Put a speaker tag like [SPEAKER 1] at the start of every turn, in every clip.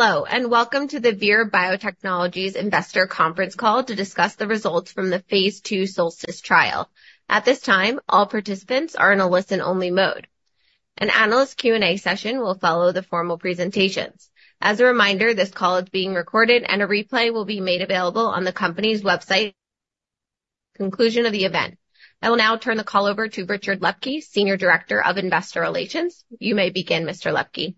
[SPEAKER 1] Hello, and welcome to the Vir Biotechnology's Investor Conference Call to discuss the results from the Phase II SOLSTICE trial. At this time, all participants are in a listen-only mode. An analyst Q&A session will follow the formal presentations. As a reminder, this call is being recorded and a replay will be made available on the company's website... conclusion of the event. I will now turn the call over to Richard Lepke, Senior Director of Investor Relations. You may begin, Mr. Lepke.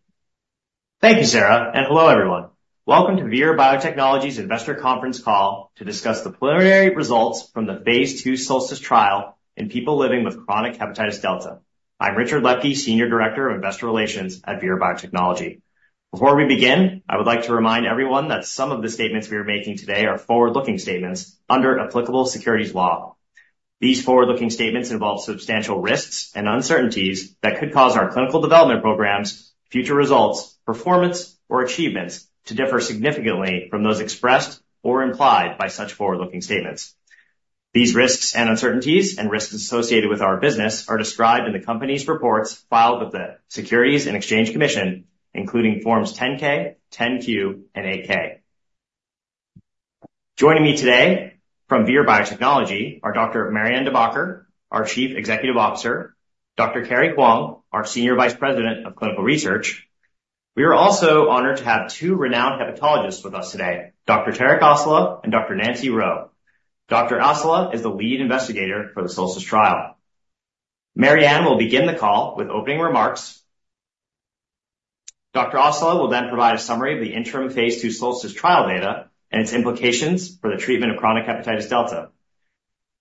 [SPEAKER 2] Thank you, Sarah, and hello, everyone. Welcome to Vir Biotechnology's Investor Conference Call to discuss the preliminary results from the phase II SOLSTICE trial in people living with chronic hepatitis delta. I'm Rich Lepke, Senior Director of Investor Relations at Vir Biotechnology. Before we begin, I would like to remind everyone that some of the statements we are making today are forward-looking statements under applicable securities law. These forward-looking statements involve substantial risks and uncertainties that could cause our clinical development programs, future results, performance, or achievements to differ significantly from those expressed or implied by such forward-looking statements. These risks and uncertainties and risks associated with our business are described in the company's reports filed with the Securities and Exchange Commission, including Forms 10-K, 10-Q, and 8-K. Joining me today from Vir Biotechnology are Dr. Marianne De Backer, our Chief Executive Officer, Dr. Carey Hwang, our Senior Vice President of Clinical Research. We are also honored to have two renowned hepatologists with us today, Dr. Tarik Asselah and Dr. Nancy Reau. Dr. Asselah is the lead investigator for the SOLSTICE trial. Marianne will begin the call with opening remarks. Dr. Asselah will then provide a summary of the interim Phase II SOLSTICE trial data and its implications for the treatment of chronic hepatitis delta.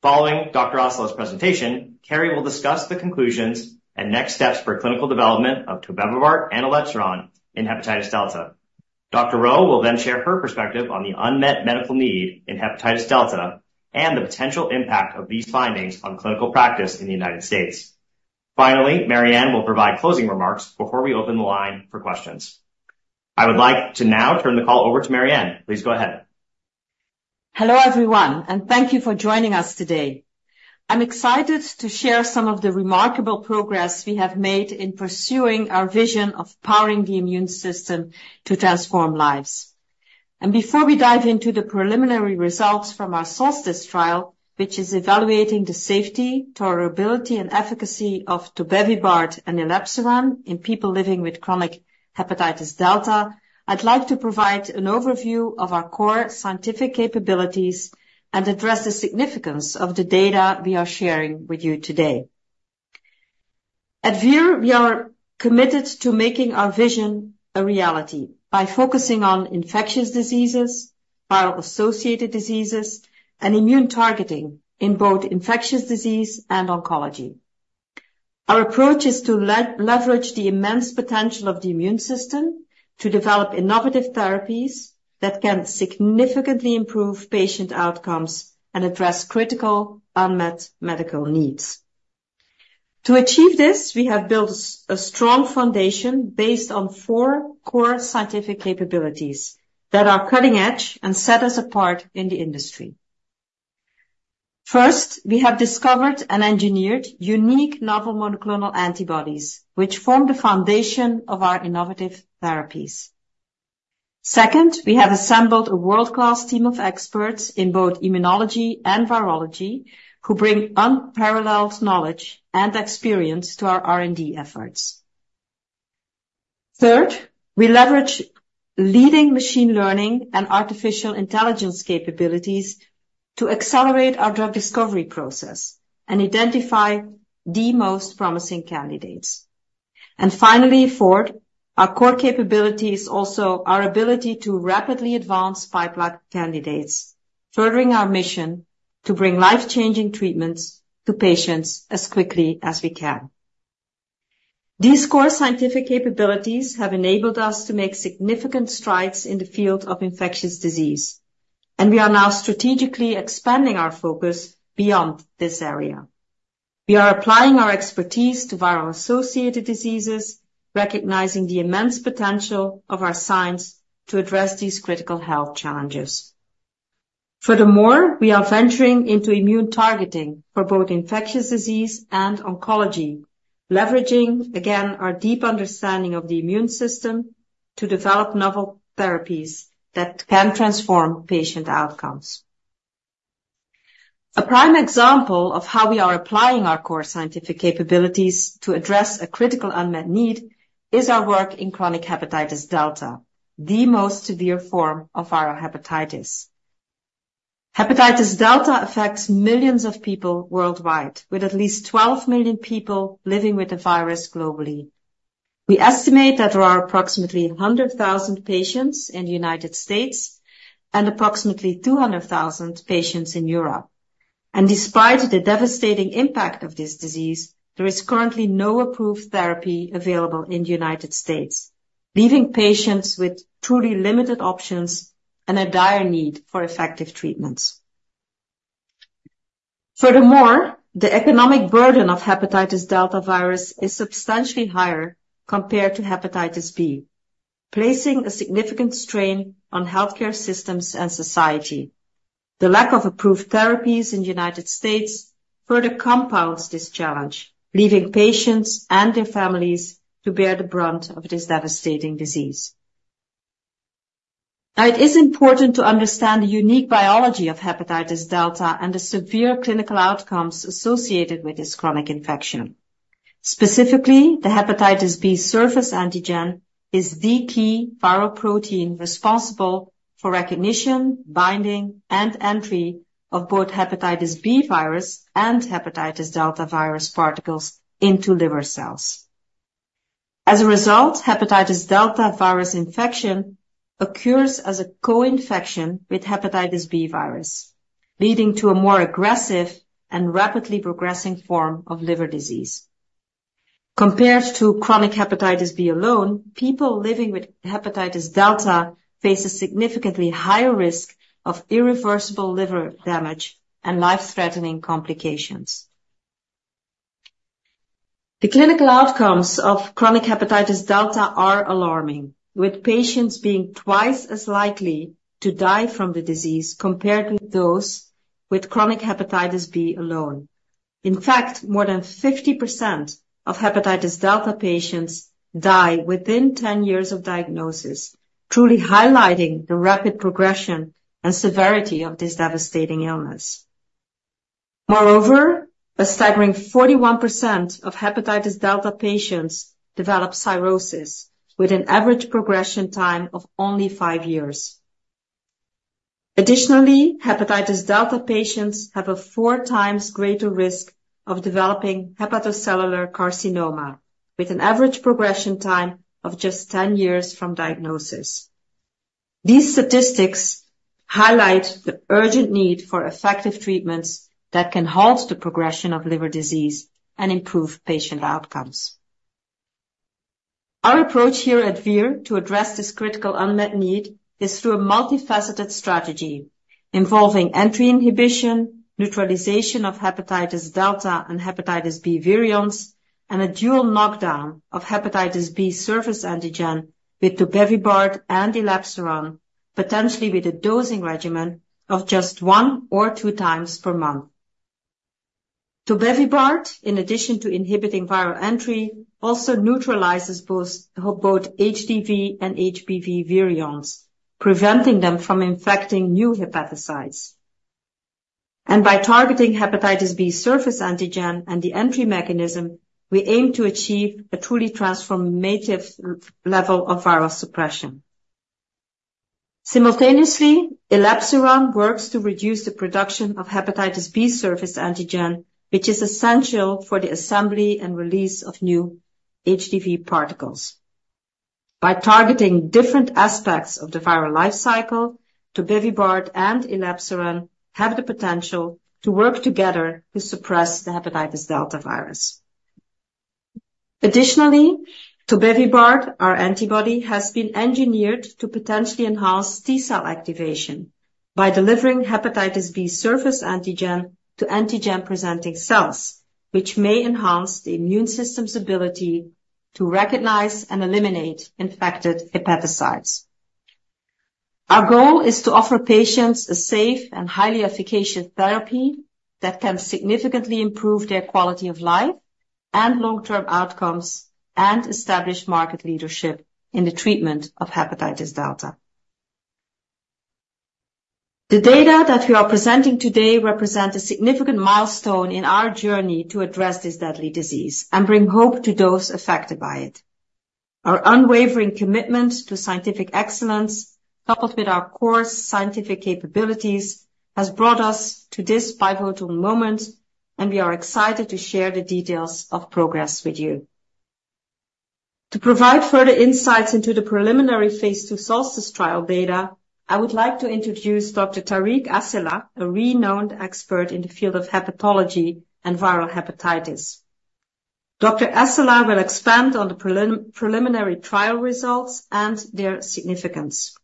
[SPEAKER 2] Following Dr. Asselah's presentation, Carey will discuss the conclusions and next steps for clinical development of tobevibart and elebsiran in hepatitis delta. Dr. Reau will then share her perspective on the unmet medical need in hepatitis delta and the potential impact of these findings on clinical practice in the United States. Finally, Marianne will provide closing remarks before we open the line for questions. I would like to now turn the call over to Marianne. Please go ahead.
[SPEAKER 3] Hello, everyone, and thank you for joining us today. I'm excited to share some of the remarkable progress we have made in pursuing our vision of powering the immune system to transform lives. And before we dive into the preliminary results from our SOLSTICE trial, which is evaluating the safety, tolerability, and efficacy of tobevibart and elebsiran in people living with chronic hepatitis delta, I'd like to provide an overview of our core scientific capabilities and address the significance of the data we are sharing with you today. At Vir, we are committed to making our vision a reality by focusing on infectious diseases, viral-associated diseases, and immune targeting in both infectious disease and oncology. Our approach is to leverage the immense potential of the immune system to develop innovative therapies that can significantly improve patient outcomes and address critical unmet medical needs. To achieve this, we have built a strong foundation based on four core scientific capabilities that are cutting-edge and set us apart in the industry. First, we have discovered and engineered unique novel monoclonal antibodies, which form the foundation of our innovative therapies. Second, we have assembled a world-class team of experts in both immunology and virology, who bring unparalleled knowledge and experience to our R&D efforts. Third, we leverage leading machine learning and artificial intelligence capabilities to accelerate our drug discovery process and identify the most promising candidates. And finally, fourth, our core capability is also our ability to rapidly advance pipeline candidates, furthering our mission to bring life-changing treatments to patients as quickly as we can. These core scientific capabilities have enabled us to make significant strides in the field of infectious disease, and we are now strategically expanding our focus beyond this area. We are applying our expertise to viral-associated diseases, recognizing the immense potential of our science to address these critical health challenges. Furthermore, we are venturing into immune targeting for both infectious disease and oncology, leveraging, again, our deep understanding of the immune system to develop novel therapies that can transform patient outcomes. A prime example of how we are applying our core scientific capabilities to address a critical unmet need is our work in chronic hepatitis delta, the most severe form of viral hepatitis. Hepatitis delta affects millions of people worldwide, with at least 12 million people living with the virus globally. We estimate that there are approximately 100,000 patients in the United States and approximately 200,000 patients in Europe. Despite the devastating impact of this disease, there is currently no approved therapy available in the United States, leaving patients with truly limited options and a dire need for effective treatments. Furthermore, the economic burden of hepatitis delta virus is substantially higher compared to hepatitis B, placing a significant strain on healthcare systems and society. The lack of approved therapies in the United States further compounds this challenge, leaving patients and their families to bear the brunt of this devastating disease. Now, it is important to understand the unique biology of hepatitis delta and the severe clinical outcomes associated with this chronic infection. Specifically, the hepatitis B surface antigen is the key viral protein responsible for recognition, binding, and entry of both hepatitis B virus and hepatitis delta virus particles into liver cells. As a result, hepatitis delta virus infection occurs as a co-infection with hepatitis B virus, leading to a more aggressive and rapidly progressing form of liver disease. Compared to chronic hepatitis B alone, people living with hepatitis delta face a significantly higher risk of irreversible liver damage and life-threatening complications. The clinical outcomes of chronic hepatitis delta are alarming, with patients being twice as likely to die from the disease compared with those with chronic hepatitis B alone. In fact, more than 50% of hepatitis delta patients die within 10 years of diagnosis, truly highlighting the rapid progression and severity of this devastating illness. Moreover, a staggering 41% of hepatitis delta patients develop cirrhosis with an average progression time of only five years. Additionally, hepatitis delta patients have a 4x greater risk of developing hepatocellular carcinoma, with an average progression time of just 10 years from diagnosis. These statistics highlight the urgent need for effective treatments that can halt the progression of liver disease and improve patient outcomes. Our approach here at Vir to address this critical unmet need is through a multifaceted strategy involving entry inhibition, neutralization of hepatitis delta and hepatitis B virions, and a dual knockdown of hepatitis B surface antigen with tobevibart and elebsiran, potentially with a dosing regimen of just one or 2x per month. Tobevibart, in addition to inhibiting viral entry, also neutralizes both HDV and HBV virions, preventing them from infecting new hepatocytes. By targeting hepatitis B surface antigen and the entry mechanism, we aim to achieve a truly transformative level of viral suppression. Simultaneously, elebsiran works to reduce the production of hepatitis B surface antigen, which is essential for the assembly and release of new HDV particles. By targeting different aspects of the viral life cycle, tobevibart and elebsiran have the potential to work together to suppress the hepatitis delta virus. Additionally, tobevibart, our antibody, has been engineered to potentially enhance T cell activation by delivering hepatitis B surface antigen to antigen-presenting cells, which may enhance the immune system's ability to recognize and eliminate infected hepatocytes. Our goal is to offer patients a safe and highly efficacious therapy that can significantly improve their quality of life and long-term outcomes, and establish market leadership in the treatment of hepatitis delta. The data that we are presenting today represent a significant milestone in our journey to address this deadly disease and bring hope to those affected by it. Our unwavering commitment to scientific excellence, coupled with our core scientific capabilities, has brought us to this pivotal moment, and we are excited to share the details of progress with you. To provide further insights into the preliminary phase II Solstice trial data, I would like to introduce Dr. Tarik Asselah, a renowned expert in the field of hepatology and viral hepatitis. Dr. Asselah will expand on the preliminary trial results and their significance.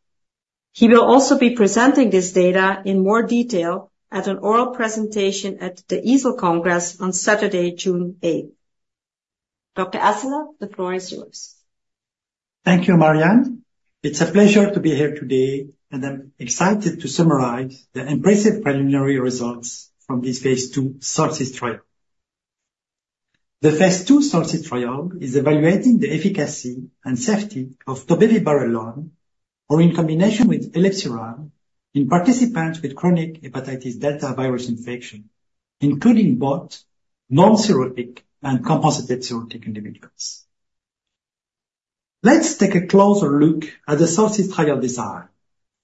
[SPEAKER 3] He will also be presenting this data in more detail at an oral presentation at the EASL Congress on Saturday, June 8th. Dr. Asselah, the floor is yours.
[SPEAKER 4] Thank you, Marianne. It's a pleasure to be here today, and I'm excited to summarize the impressive preliminary results from this phase II SOLSTICE trial. The phase II SOLSTICE trial is evaluating the efficacy and safety of tobevibart alone or in combination with elebsiran in participants with chronic hepatitis delta virus infection, including both non-cirrhotic and compensated cirrhotic individuals. Let's take a closer look at the SOLSTICE trial design.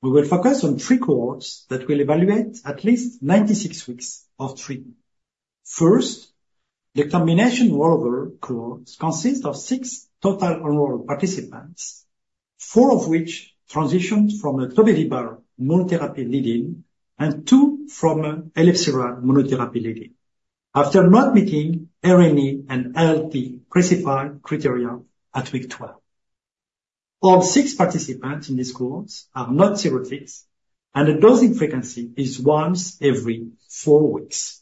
[SPEAKER 4] We will focus on three cohorts that will evaluate at least 96 weeks of treatment. First, the combination rollover cohorts consist of SIX total enrolled participants, four of which transitioned from a tobevibart monotherapy lead-in and two from elebsiran monotherapy lead-in after not meeting RME and ALP predefined criteria at week 12. All 6 participants in this cohort are not cirrhotics, and the dosing frequency is once every four weeks....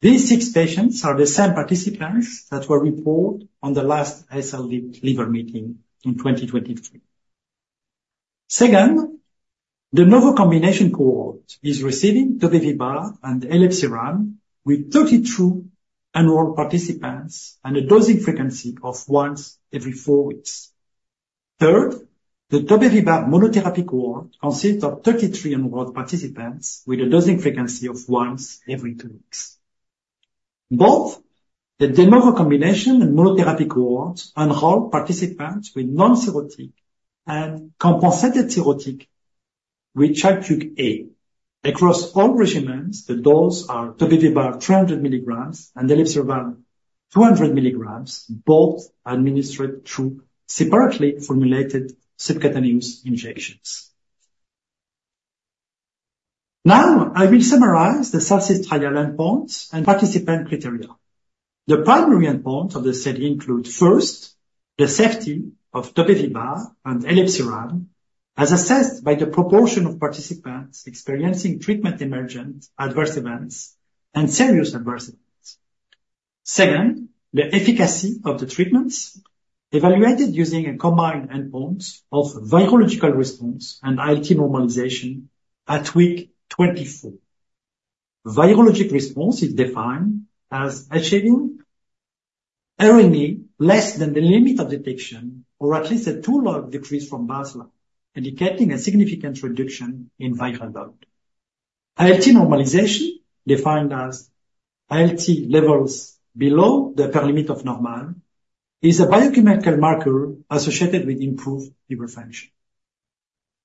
[SPEAKER 4] These six patients are the same participants that were reported on the last SLD liver meeting in 2023. Second, the novel combination cohort is receiving tobevibart and elebsiran with 32 enrolled participants and a dosing frequency of once every four weeks. Third, the tobevibart monotherapy cohort consists of 33 enrolled participants with a dosing frequency of once every two weeks. Both the de novo combination and monotherapy cohorts enroll participants with non-cirrhotic and compensated cirrhotic with Child-Pugh A. Across all regimens, the doses are tobevibart, 300 milligrams, and elebsiran, 200 milligrams, both administered through separately formulated subcutaneous injections. Now, I will summarize the CELSIUS trial endpoints and participant criteria. The primary endpoint of the study includes, first, the safety of tobevibart and elebsiran, as assessed by the proportion of participants experiencing treatment-emergent adverse events, and serious adverse events. Second, the efficacy of the treatments evaluated using a combined endpoint of virologic response and ALT normalization at week 24. Virologic response is defined as achieving RNA less than the limit of detection, or at least a two log decrease from baseline, indicating a significant reduction in viral load. ALT normalization, defined as ALT levels below the upper limit of normal, is a biochemical marker associated with improved liver function.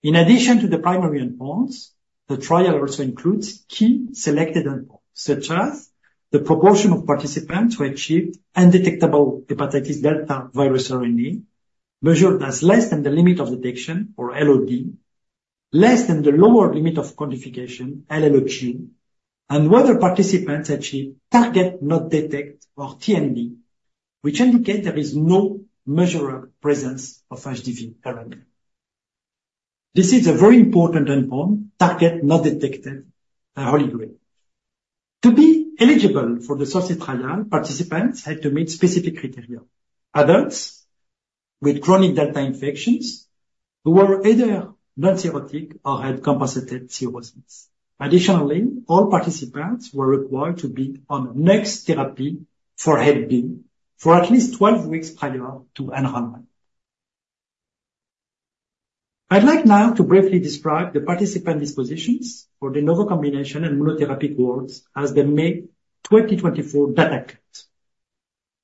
[SPEAKER 4] In addition to the primary endpoints, the trial also includes key selected endpoints, such as the proportion of participants who achieved undetectable hepatitis delta virus RNA, measured as less than the limit of detection, or LOD, less than the lower limit of quantification, LLOQ, and whether participants achieve target not detected, or TND, which indicate there is no measurable presence of HDV RNA. This is a very important endpoint, target not detected, the Holy Grail. To be eligible for the CELSIUS trial, participants had to meet specific criteria. Adults with chronic delta infections who were either non-cirrhotic or had compensated cirrhosis. Additionally, all participants were required to be on NEX therapy for hep B for at least 12 weeks prior to enrollment. I'd like now to briefly describe the participant dispositions for the novel combination and monotherapy cohorts as the May 2024 data cut.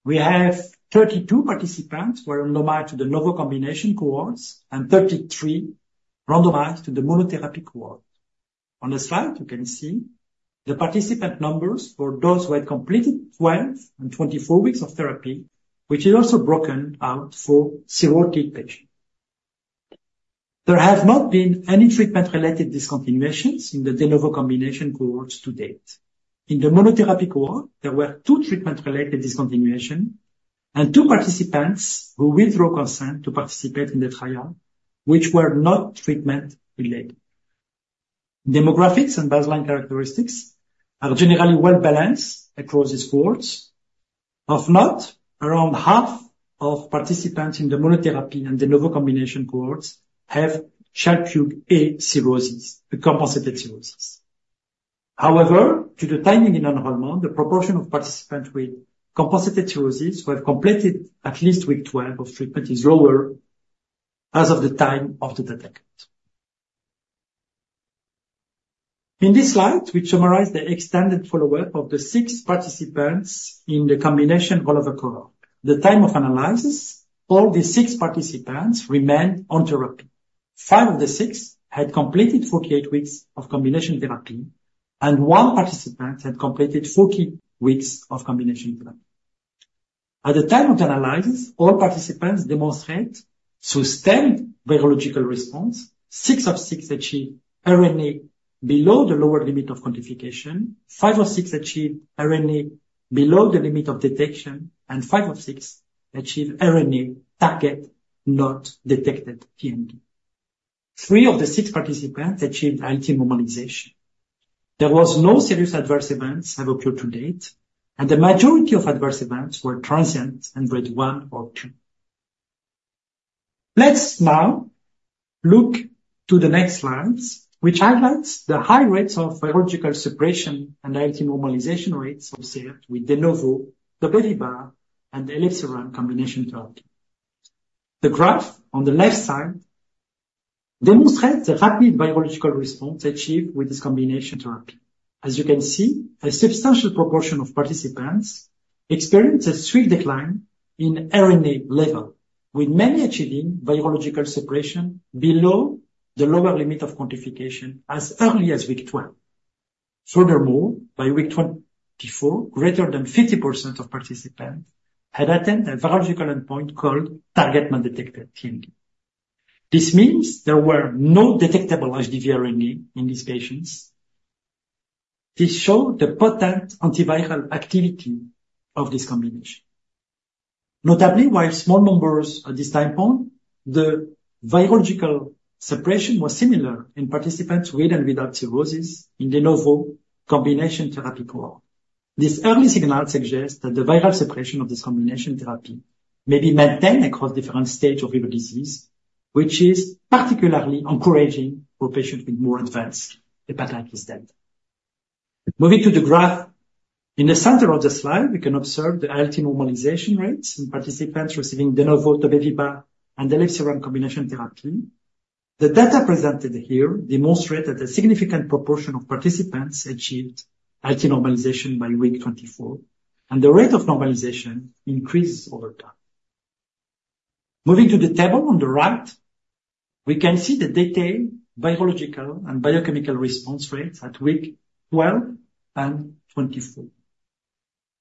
[SPEAKER 4] We have 32 participants who were randomized to the novel combination cohorts and 33 randomized to the monotherapy cohort. On the slide, you can see the participant numbers for those who had completed 12 and 24 weeks of therapy, which is also broken out for cirrhotic patients. There have not been any treatment-related discontinuations in the de novo combination cohorts to date. In the monotherapy cohort, there were two treatment-related discontinuations and two participants who withdrew consent to participate in the trial, which were not treatment-related. Demographics and baseline characteristics are generally well-balanced across these cohorts. Of note, around half of participants in the monotherapy and de novo combination cohorts have Child-Pugh A cirrhosis, a compensated cirrhosis. However, due to the timing in enrollment, the proportion of participants with compensated cirrhosis who have completed at least week 12 of treatment is lower as of the time of the data cut. In this slide, we summarize the extended follow-up of the six participants in the combination vollover cohort. At the time of analysis, all 6 participants remained on therapy. Five of the six had completed 48 weeks of combination therapy, and one participant had completed 40 weeks of combination therapy. At the time of analysis, all participants demonstrate sustained virological response. 6 of 6 achieve RNA below the lower limit of quantification, 5 of 6 achieve RNA below the limit of detection, and 5 of 6 achieve RNA target not detected, TND. 3 of the 6 participants achieved ALT normalization. There were no serious adverse events that have occurred to date, and the majority of adverse events were transient and grade one or two. Let's now look to the next slides, which highlights the high rates of virological suppression and ALT normalization rates observed with de novo tobevibart and elebsiran combination therapy. The graph on the left side demonstrates the rapid virological response achieved with this combination therapy. As you can see, a substantial proportion of participants experienced a steep decline in RNA level, with many achieving virological suppression below the lower limit of quantification as early as week 12. Furthermore, by week 24, greater than 50% of participants had attained a virological endpoint called target not detected, TND. This means there were no detectable HDV RNA in these patients. This showed the potent antiviral activity of this combination. Notably, while small numbers at this time point, the virological suppression was similar in participants with and without cirrhosis in de novo combination therapy cohort. This early signal suggests that the viral suppression of this combination therapy may be maintained across different stage of liver disease, which is particularly encouraging for patients with more advanced hepatitis delta. Moving to the graph, in the center of the slide, we can observe the ALT normalization rates in participants receiving de novo tobevibart and elebsiran combination therapy. The data presented here demonstrate that a significant proportion of participants achieved ALT normalization by week 24, and the rate of normalization increases over time. Moving to the table on the right, we can see the detailed virologic and biochemical response rates at week 12 and 24.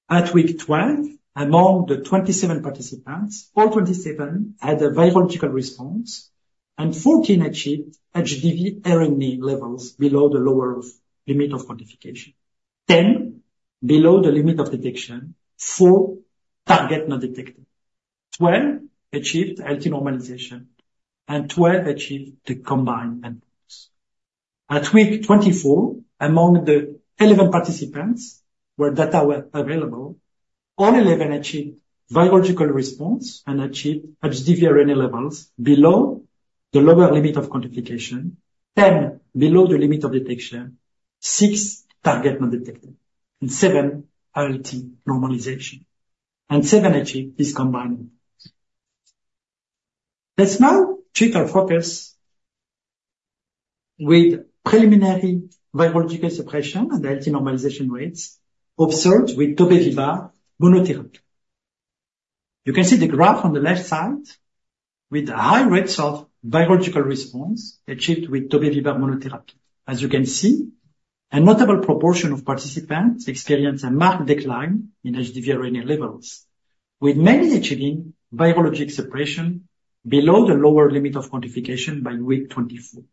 [SPEAKER 4] At week 12, among the 27 participants, all 27 had a virologic response, and 14 achieved HDV RNA levels below the lower limit of quantification, 10 below the limit of detection, four target not detected. 12 achieved ALT normalization, and 12 achieved the combined endpoints. At week 24, among the 11 participants where data were available, all 11 achieved virologic response and achieved HDV RNA levels below the lower limit of quantification, 10 below the limit of detection, six target not detected, and seven ALT normalization, and seven achieved this combined. Let's now shift our focus with preliminary virologic suppression and ALT normalization rates observed with tobevibart monotherapy. You can see the graph on the left side with high rates of virologic response achieved with tobevibart monotherapy. As you can see, a notable proportion of participants experienced a marked decline in HDV RNA levels, with many achieving virologic suppression below the lower limit of quantification by week 24.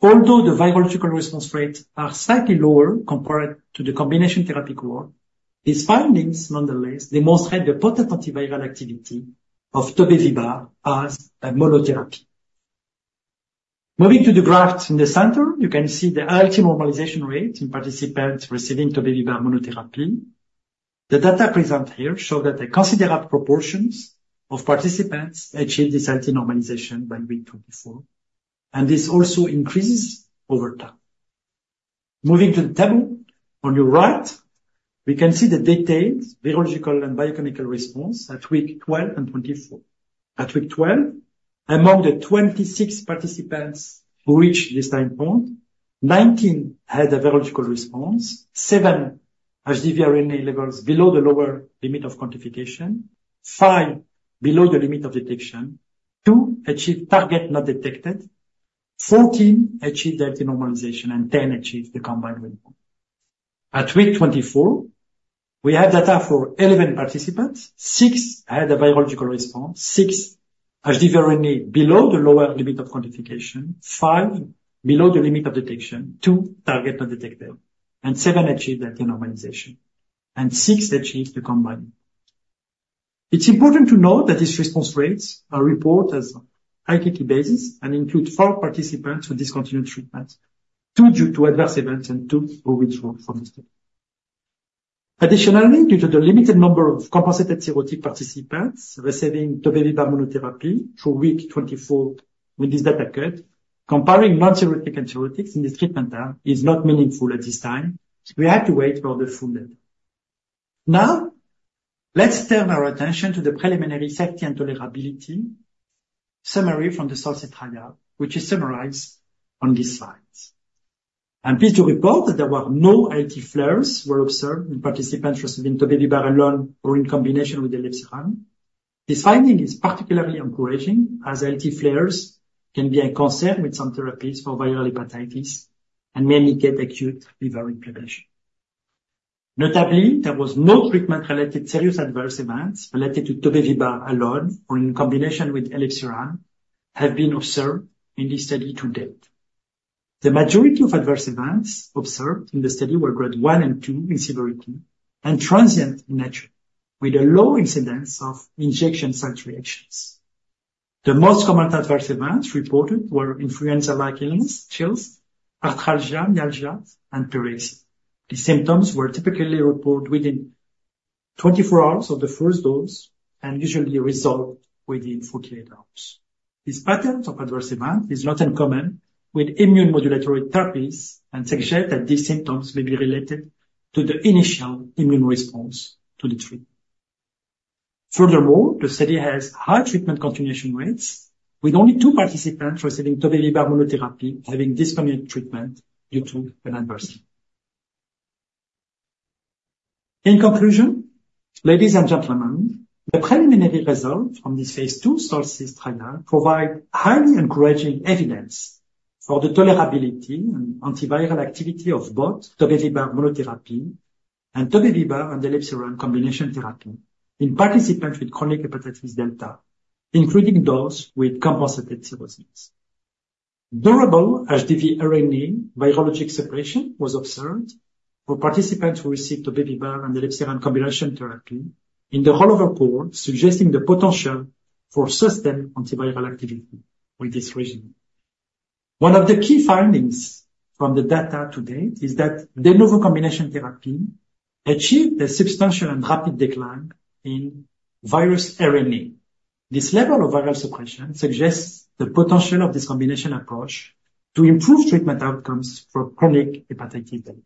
[SPEAKER 4] Although the virologic response rates are slightly lower compared to the combination therapy cohort, these findings, nonetheless, demonstrate the potent antiviral activity of tobevibart as a monotherapy. Moving to the graph in the center, you can see the ALT normalization rate in participants receiving tobevibart monotherapy. The data presented here show that the considerable proportions of participants achieve this ALT normalization by week 24, and this also increases over time. Moving to the table on your right, we can see the detailed virologic and biochemical response at week 12 and 24. At week 12 among the 26 participants who reached this time point, 19 had a virologic response, 7 HDV RNA levels below the lower limit of quantification, five below the limit of detection, two achieved target not detected, 14 achieved ALT normalization, and 10 achieved the combined endpoint. At week 24, we have data for 11 participants. six had a virologic response, six HDV RNA below the lower limit of quantification, five below the limit of detection, two target not detected, and seven achieved ALT normalization, and six achieved the combined. It's important to note that these response rates are reported as ITT basis and include 4 participants who discontinued treatment, two due to adverse events and two who withdrew from the study. Additionally, due to the limited number of compensated cirrhotic participants receiving tobevibart monotherapy through week 24 when this data cut, comparing non-cirrhotic and cirrhotics in this treatment is not meaningful at this time. We have to wait for the full data. Now, let's turn our attention to the preliminary safety and tolerability summary from the SOLSTICE trial, which is summarized on this slide. I'm pleased to report that there were no ALT flares observed in participants receiving tobevibart alone or in combination with elebsiran. This finding is particularly encouraging, as ALT flares can be a concern with some therapies for viral hepatitis and may indicate acute liver inflammation. Notably, there have been no treatment-related serious adverse events related to tobevibart alone or in combination with elebsiran observed in this study to date. The majority of adverse events observed in the study were grade one and two in severity and transient in nature, with a low incidence of injection site reactions. The most common adverse events reported were influenza-like illness, chills, arthralgia, myalgia, and paralysis. These symptoms were typically reported within 24 hours of the first dose and usually resolved within 48 hours. This pattern of adverse event is not uncommon with immune modulatory therapies and suggest that these symptoms may be related to the initial immune response to the treatment. Furthermore, the study has high treatment continuation rates, with only two participants receiving tobevibart monotherapy having discontinued treatment due to an adverse event. In conclusion, ladies and gentlemen, the preliminary results from this phase II SOLSTICE trial provide highly encouraging evidence for the tolerability and antiviral activity of both tobevibart monotherapy and tobevibart and elebsiran combination therapy in participants with chronic hepatitis delta, including those with compensated cirrhosis... Durable HBV RNA virologic suppression was observed for participants who received tobevibart and elebsiran combination therapy in the rollover cohort, suggesting the potential for sustained antiviral activity with this regimen. One of the key findings from the data to date is that de novo combination therapy achieved a substantial and rapid decline in viral RNA. This level of viral suppression suggests the potential of this combination approach to improve treatment outcomes for chronic hepatitis delta.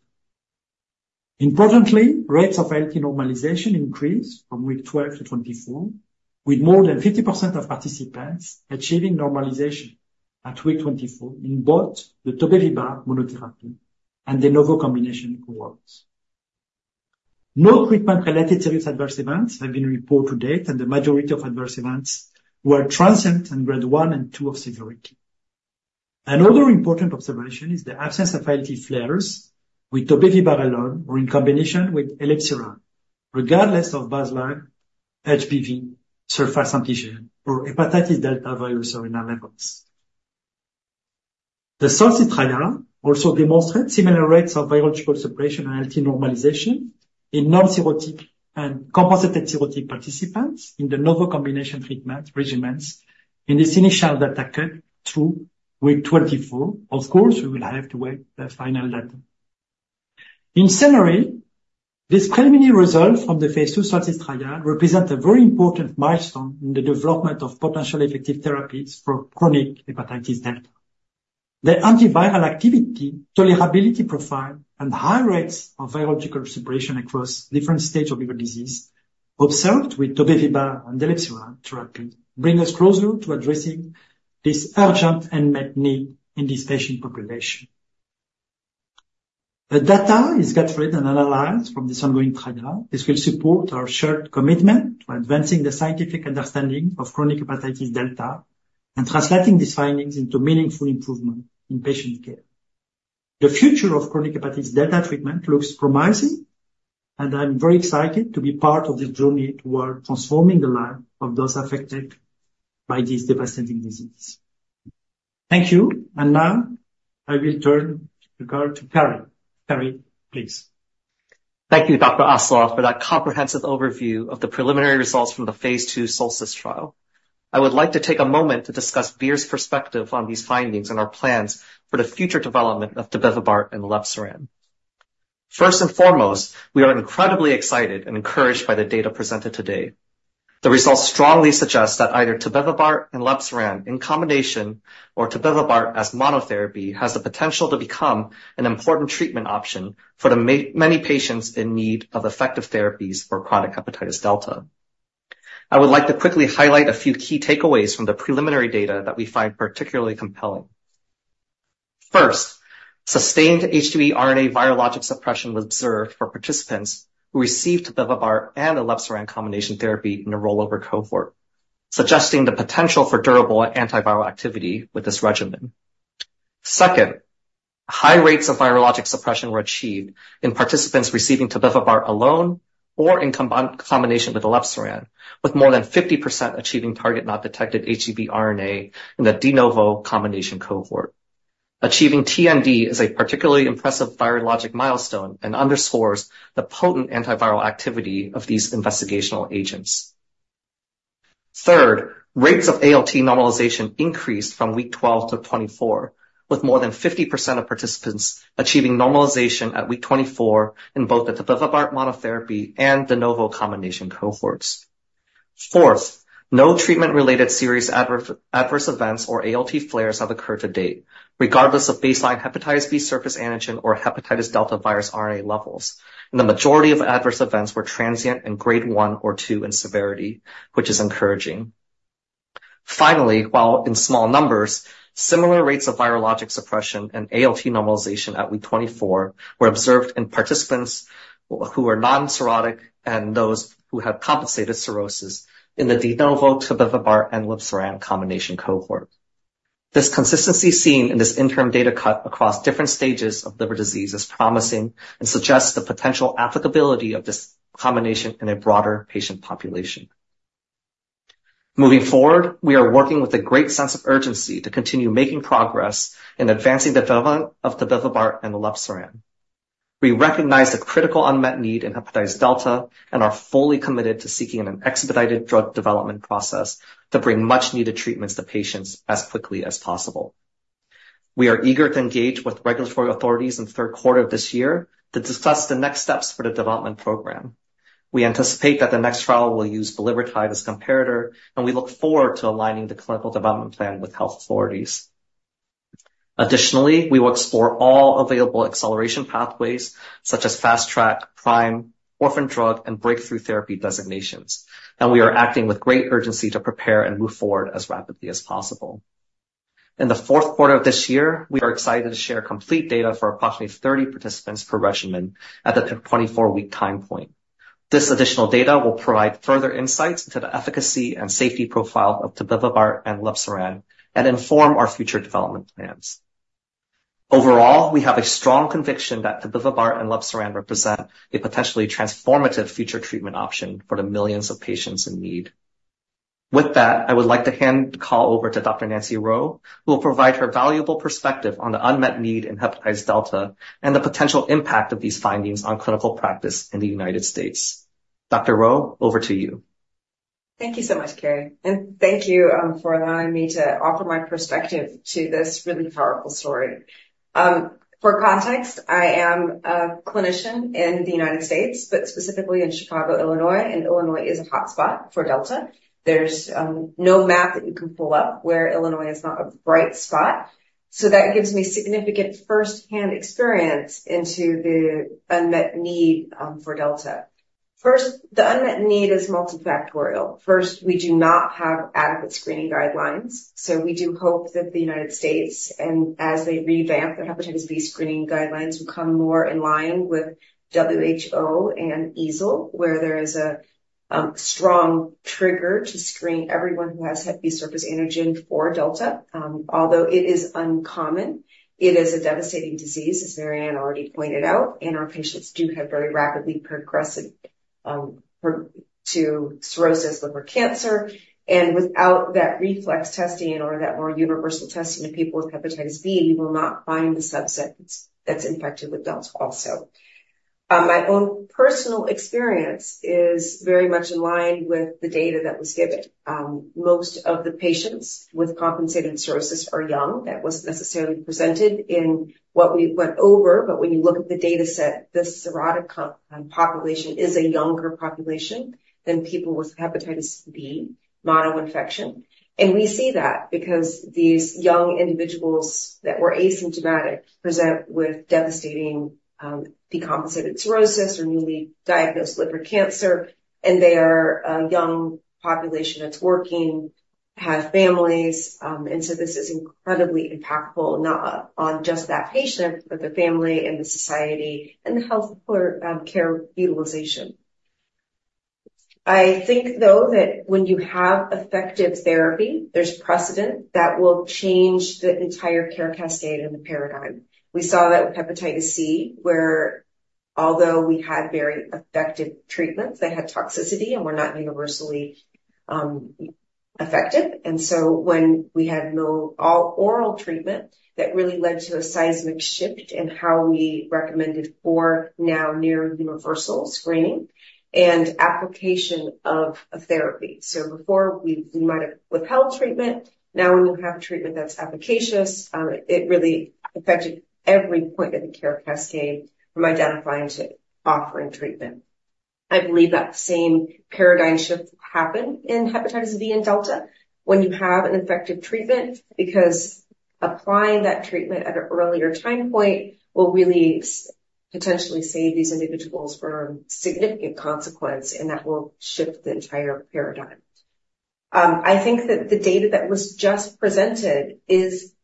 [SPEAKER 4] Importantly, rates of ALT normalization increased from week 12 to 24, with more than 50% of participants achieving normalization at week 24 in both the tobevibart monotherapy and de novo combination cohorts. No treatment-related serious adverse events have been reported to date, and the majority of adverse events were transient and grade one and two of severity. Another important observation is the absence of ALT flares with tobevibart alone or in combination with elebsiran, regardless of baseline HBV surface antigen or hepatitis delta virus RNA levels. The SOLSTICE trial also demonstrated similar rates of virological suppression and ALT normalization in non-cirrhotic and compensated cirrhotic participants in the de novo combination treatment regimens in this initial data cut through week 24. Of course, we will have to wait the final data. In summary, these preliminary results from the phase II SOLSTICE trial represent a very important milestone in the development of potential effective therapies for chronic hepatitis delta. The antiviral activity, tolerability profile, and high rates of virological suppression across different stages of liver disease observed with tobevibart and elebsiran therapy bring us closer to addressing this urgent unmet need in this patient population. The data is gathered and analyzed from this ongoing trial. This will support our shared commitment to advancing the scientific understanding of chronic hepatitis delta and translating these findings into meaningful improvement in patient care. The future of chronic hepatitis delta treatment looks promising, and I'm very excited to be part of this journey toward transforming the lives of those affected by this devastating disease. Thank you. Now I will turn the call to Tarik. Tarik, please.
[SPEAKER 5] Thank you, Dr. Asselah, for that comprehensive overview of the preliminary results from the phase II SOLSTICE trial. I would like to take a moment to discuss Vir's perspective on these findings and our plans for the future development of tobevibart and elebsiran. First and foremost, we are incredibly excited and encouraged by the data presented today. The results strongly suggest that either tobevibart and elebsiran in combination or tobevibart as monotherapy has the potential to become an important treatment option for the many patients in need of effective therapies for chronic hepatitis delta. I would like to quickly highlight a few key takeaways from the preliminary data that we find particularly compelling. First, sustained HBV RNA virologic suppression was observed for participants who received tobevibart and elebsiran combination therapy in a rollover cohort, suggesting the potential for durable antiviral activity with this regimen. Second, high rates of virologic suppression were achieved in participants receiving tobevibart alone or in combination with elebsiran, with more than 50% achieving target not detected HBV RNA in the de novo combination cohort. Achieving TND is a particularly impressive virologic milestone and underscores the potent antiviral activity of these investigational agents. Third, rates of ALT normalization increased from week 12 to 24, with more than 50% of participants achieving normalization at week 24 in both the tobevibart monotherapy and de novo combination cohorts. Fourth, no treatment-related serious adverse events or ALT flares have occurred to date, regardless of baseline hepatitis B surface antigen or hepatitis delta virus RNA levels, and the majority of adverse events were transient in grade one or two in severity, which is encouraging. Finally, while in small numbers, similar rates of virologic suppression and ALT normalization at week 24 were observed in participants who are non-cirrhotic and those who have compensated cirrhosis in the de novo tobevibart and elebsiran combination cohort. This consistency seen in this interim data cut across different stages of liver disease is promising and suggests the potential applicability of this combination in a broader patient population. Moving forward, we are working with a great sense of urgency to continue making progress in advancing development of tobevibart and elebsiran. We recognize the critical unmet need in hepatitis delta and are fully committed to seeking an expedited drug development process to bring much-needed treatments to patients as quickly as possible. We are eager to engage with regulatory authorities in the third quarter of this year to discuss the next steps for the development program. We anticipate that the next trial will use bulevirtide comparator, and we look forward to aligning the clinical development plan with health authorities. Additionally, we will explore all available acceleration pathways such as fast track, prime, orphan drug, and breakthrough therapy designations, and we are acting with great urgency to prepare and move forward as rapidly as possible. In the fourth quarter of this year, we are excited to share complete data for approximately 30 participants per regimen at the 24-week time point. This additional data will provide further insights into the efficacy and safety profile of tobevibart and elebsiran and inform our future development plans. Overall, we have a strong conviction that the tobevibart and elebsiran represent a potentially transformative future treatment option for the millions of patients in need. With that, I would like to hand the call over to Dr. Nancy Reau, who will provide her valuable perspective on the unmet need in hepatitis delta and the potential impact of these findings on clinical practice in the United States. Dr. Reau, over to you.
[SPEAKER 6] Thank you so much, Carey, and thank you for allowing me to offer my perspective to this really powerful story. For context, I am a clinician in the United States, but specifically in Chicago, Illinois, and Illinois is a hotspot for Delta. There's no map that you can pull up where Illinois is not a bright spot, so that gives me significant first-hand experience into the unmet need for Delta. First, the unmet need is multifactorial. First, we do not have adequate screening guidelines, so we do hope that the United States, and as they revamp their hepatitis B screening guidelines, will come more in line with WHO and EASL, where there is a strong trigger to screen everyone who has hepatitis surface antigen for Delta. Although it is uncommon, it is a devastating disease, as Marianne already pointed out, and our patients do have very rapidly progressive to cirrhosis liver cancer. Without that reflex testing or that more universal testing of people with hepatitis B, you will not find the subset that's infected with Delta also. My own personal experience is very much in line with the data that was given. Most of the patients with compensated cirrhosis are young. That wasn't necessarily presented in what we went over, but when you look at the dataset, the cirrhotic population is a younger population than people with hepatitis B mono infection. We see that because these young individuals that were asymptomatic present with devastating decompensated cirrhosis or newly diagnosed liver cancer, and they are a young population that's working, have families, and so this is incredibly impactful, not on just that patient, but the family and the society and the health care care utilization. I think, though, that when you have effective therapy, there's precedent that will change the entire care cascade and the paradigm. We saw that with hepatitis C, where although we had very effective treatments, they had toxicity and were not universally effective. And so when we had all oral treatment, that really led to a seismic shift in how we recommended for now near universal screening and application of a therapy. So before we might have withheld treatment, now when you have a treatment that's efficacious, it really affected every point of the care cascade from identifying to offering treatment. I believe that same paradigm shift happened in hepatitis B and delta when you have an effective treatment, because applying that treatment at an earlier time point will really potentially save these individuals from significant consequence, and that will shift the entire paradigm. I think that the data that was just presented is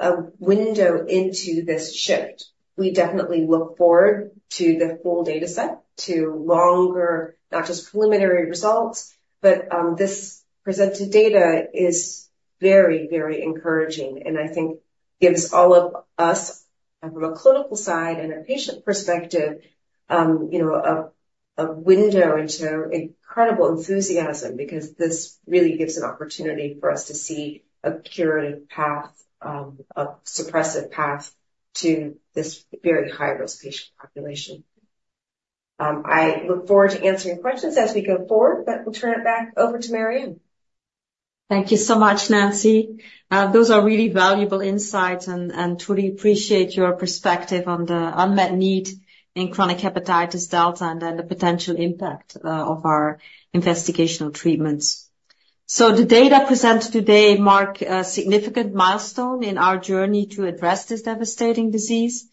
[SPEAKER 6] a window into this shift. We definitely look forward to the full data set, to longer, not just preliminary results, but this presented data is very, very encouraging and I think gives all of us, from a clinical side and a patient perspective, you know, a window into incredible enthusiasm because this really gives an opportunity for us to see a curative path, a suppressive path to this very high-risk patient population. I look forward to answering questions as we go forward, but we'll turn it back over to Marianne.
[SPEAKER 3] Thank you so much, Nancy. Those are really valuable insights and truly appreciate your perspective on the unmet need in chronic hepatitis delta and then the potential impact of our investigational treatments. So the data presented today mark a significant milestone in our journey to address this devastating disease.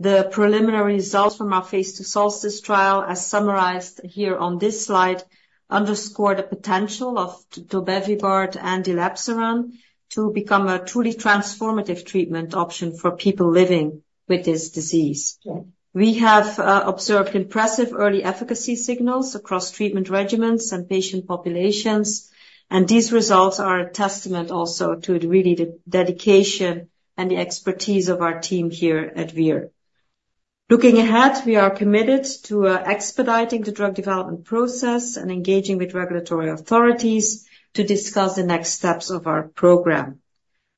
[SPEAKER 3] The preliminary results from our phase II SOLSTICE trial, as summarized here on this slide, underscore the potential of tobevibart and elebsiran to become a truly transformative treatment option for people living with this disease. We have observed impressive early efficacy signals across treatment regimens and patient populations, and these results are a testament also to really the dedication and the expertise of our team here at Vir. Looking ahead, we are committed to expediting the drug development process and engaging with regulatory authorities to discuss the next steps of our program.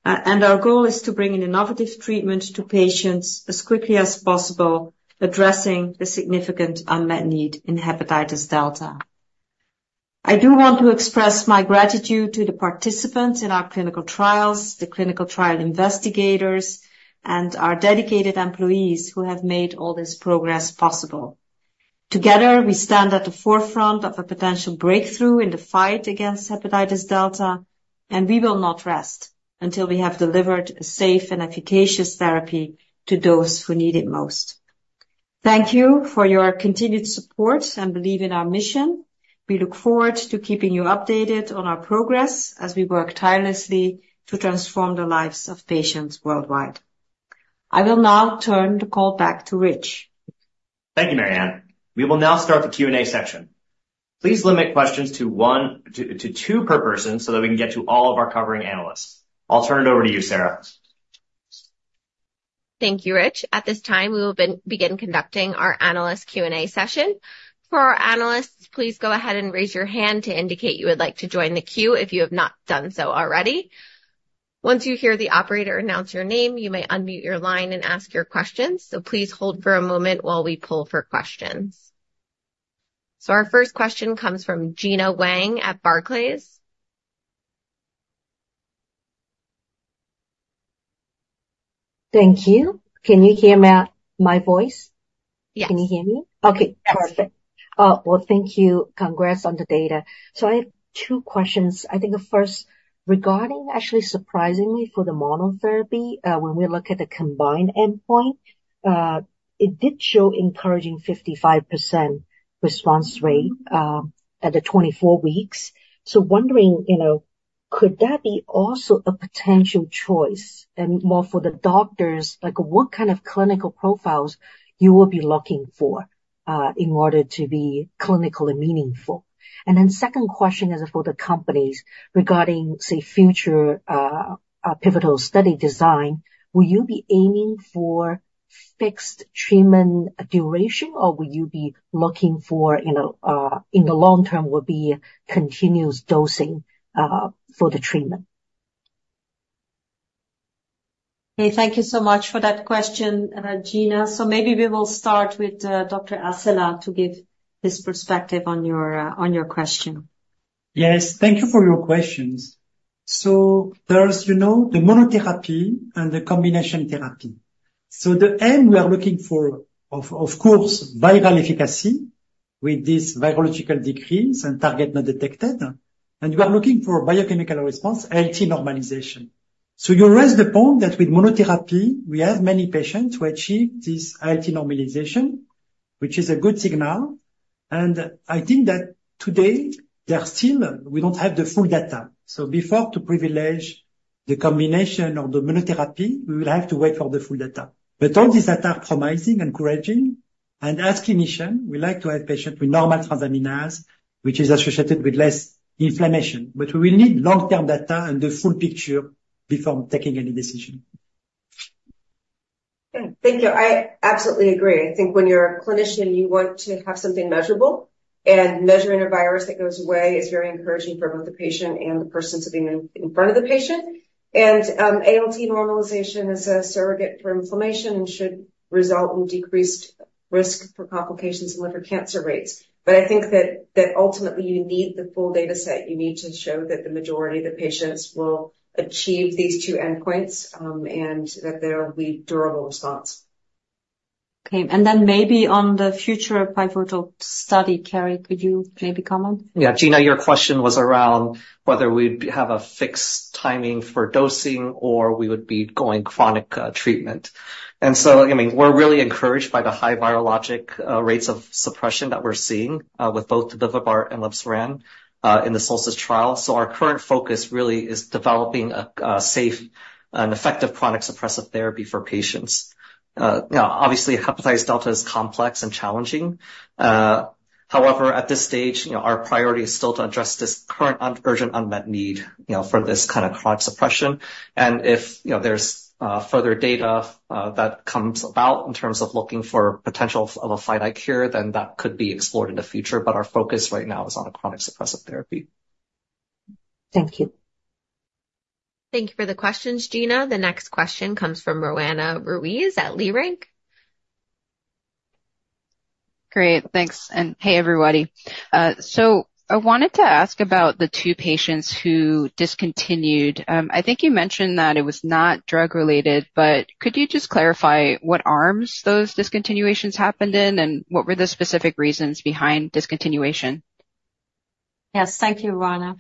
[SPEAKER 3] Our goal is to bring an innovative treatment to patients as quickly as possible, addressing the significant unmet need in hepatitis delta. I do want to express my gratitude to the participants in our clinical trials, the clinical trial investigators, and our dedicated employees who have made all this progress possible. Together, we stand at the forefront of a potential breakthrough in the fight against hepatitis delta, and we will not rest until we have delivered a safe and efficacious therapy to those who need it most. Thank you for your continued support and belief in our mission. We look forward to keeping you updated on our progress as we work tirelessly to transform the lives of patients worldwide. I will now turn the call back to Rich.Thank you, Marianne. We will now start the Q&A section. Please limit questions to one to two per person, so that we can get to all of our covering analysts. I'll turn it over to you, Sarah.
[SPEAKER 1] Thank you, Rich. At this time, we will begin conducting our analyst Q&A session. For our analysts, please go ahead and raise your hand to indicate you would like to join the queue if you have not done so already. Once you hear the operator announce your name, you may unmute your line and ask your questions. Please hold for a moment while we pull for questions. Our first question comes from Gina Wang at Barclays.
[SPEAKER 7] Thank you. Can you hear my voice?
[SPEAKER 1] Yes.
[SPEAKER 7] Can you hear me? Okay, perfect.
[SPEAKER 1] Yes.
[SPEAKER 7] Well, thank you. Congrats on the data. So I have two questions. I think the first, regarding actually, surprisingly, for the monotherapy, when we look at the combined endpoint, it did show encouraging 55% response rate, at the 24 weeks. So wondering, you know, could that be also a potential choice and more for the doctors? Like, what kind of clinical profiles you will be looking for, in order to be clinical and meaningful? And then second question is for the companies, regarding, say, future, pivotal study design. Will you be aiming for fixed treatment duration, or will you be looking for, you know, in the long term, will be continuous dosing, for the treatment?
[SPEAKER 1] Hey, thank you so much for that question, Gina. So maybe we will start with Dr. Asselah to give his perspective on your question.
[SPEAKER 4] Yes, thank you for your questions. So there's, you know, the monotherapy and the combination therapy. So the end, we are looking for, of, of course, viral efficacy with this virological decrease and target not detected. And we are looking for biochemical response, ALT normalization. So you raise the point that with monotherapy, we have many patients who achieve this ALT normalization, which is a good signal. And I think that today, there are still, we don't have the full data. So before to privilege the combination or the monotherapy, we will have to wait for the full data. But all these data are promising, encouraging, and as clinician, we like to have patient with normal transaminase, which is associated with less inflammation. But we will need long-term data and the full picture before making any decision.
[SPEAKER 7] Thank you. I absolutely agree. I think when you're a clinician, you want to have something measurable, and measuring a virus that goes away is very encouraging for both the patient and the person sitting in front of the patient. ALT normalization is a surrogate for inflammation and should result in decreased risk for complications and liver cancer rates. But I think that ultimately you need the full data set. You need to show that the majority of the patients will achieve these two endpoints, and that there will be durable response.
[SPEAKER 2] Okay, and then maybe on the future pivotal study, Carey, could you maybe comment?
[SPEAKER 5] Yeah. Gina, your question was around whether we'd have a fixed timing for dosing or we would be going chronic treatment. And so, I mean, we're really encouraged by the high virologic rates of suppression that we're seeing with both the tobevibart and elebsiran in the SOLSTICE trial. So our current focus really is developing a safe and effective chronic suppressive therapy for patients. You know, obviously, hepatitis delta is complex and challenging. However, at this stage, you know, our priority is still to address this current urgent, unmet need, you know, for this kind of chronic suppression. And if, you know, there's further data that comes about in terms of looking for potential of a finite cure, then that could be explored in the future. But our focus right now is on a chronic suppressive therapy.
[SPEAKER 7] Thank you.
[SPEAKER 1] Thank you for the questions, Gina. The next question comes from Roanna Ruiz at Leerink.
[SPEAKER 8] Great, thanks, and hey, everybody. So I wanted to ask about the two patients who discontinued. I think you mentioned that it was not drug-related, but could you just clarify what arms those discontinuations happened in, and what were the specific reasons behind discontinuation?
[SPEAKER 1] Yes. Thank you, Roanna.
[SPEAKER 5] Hi, Roanna.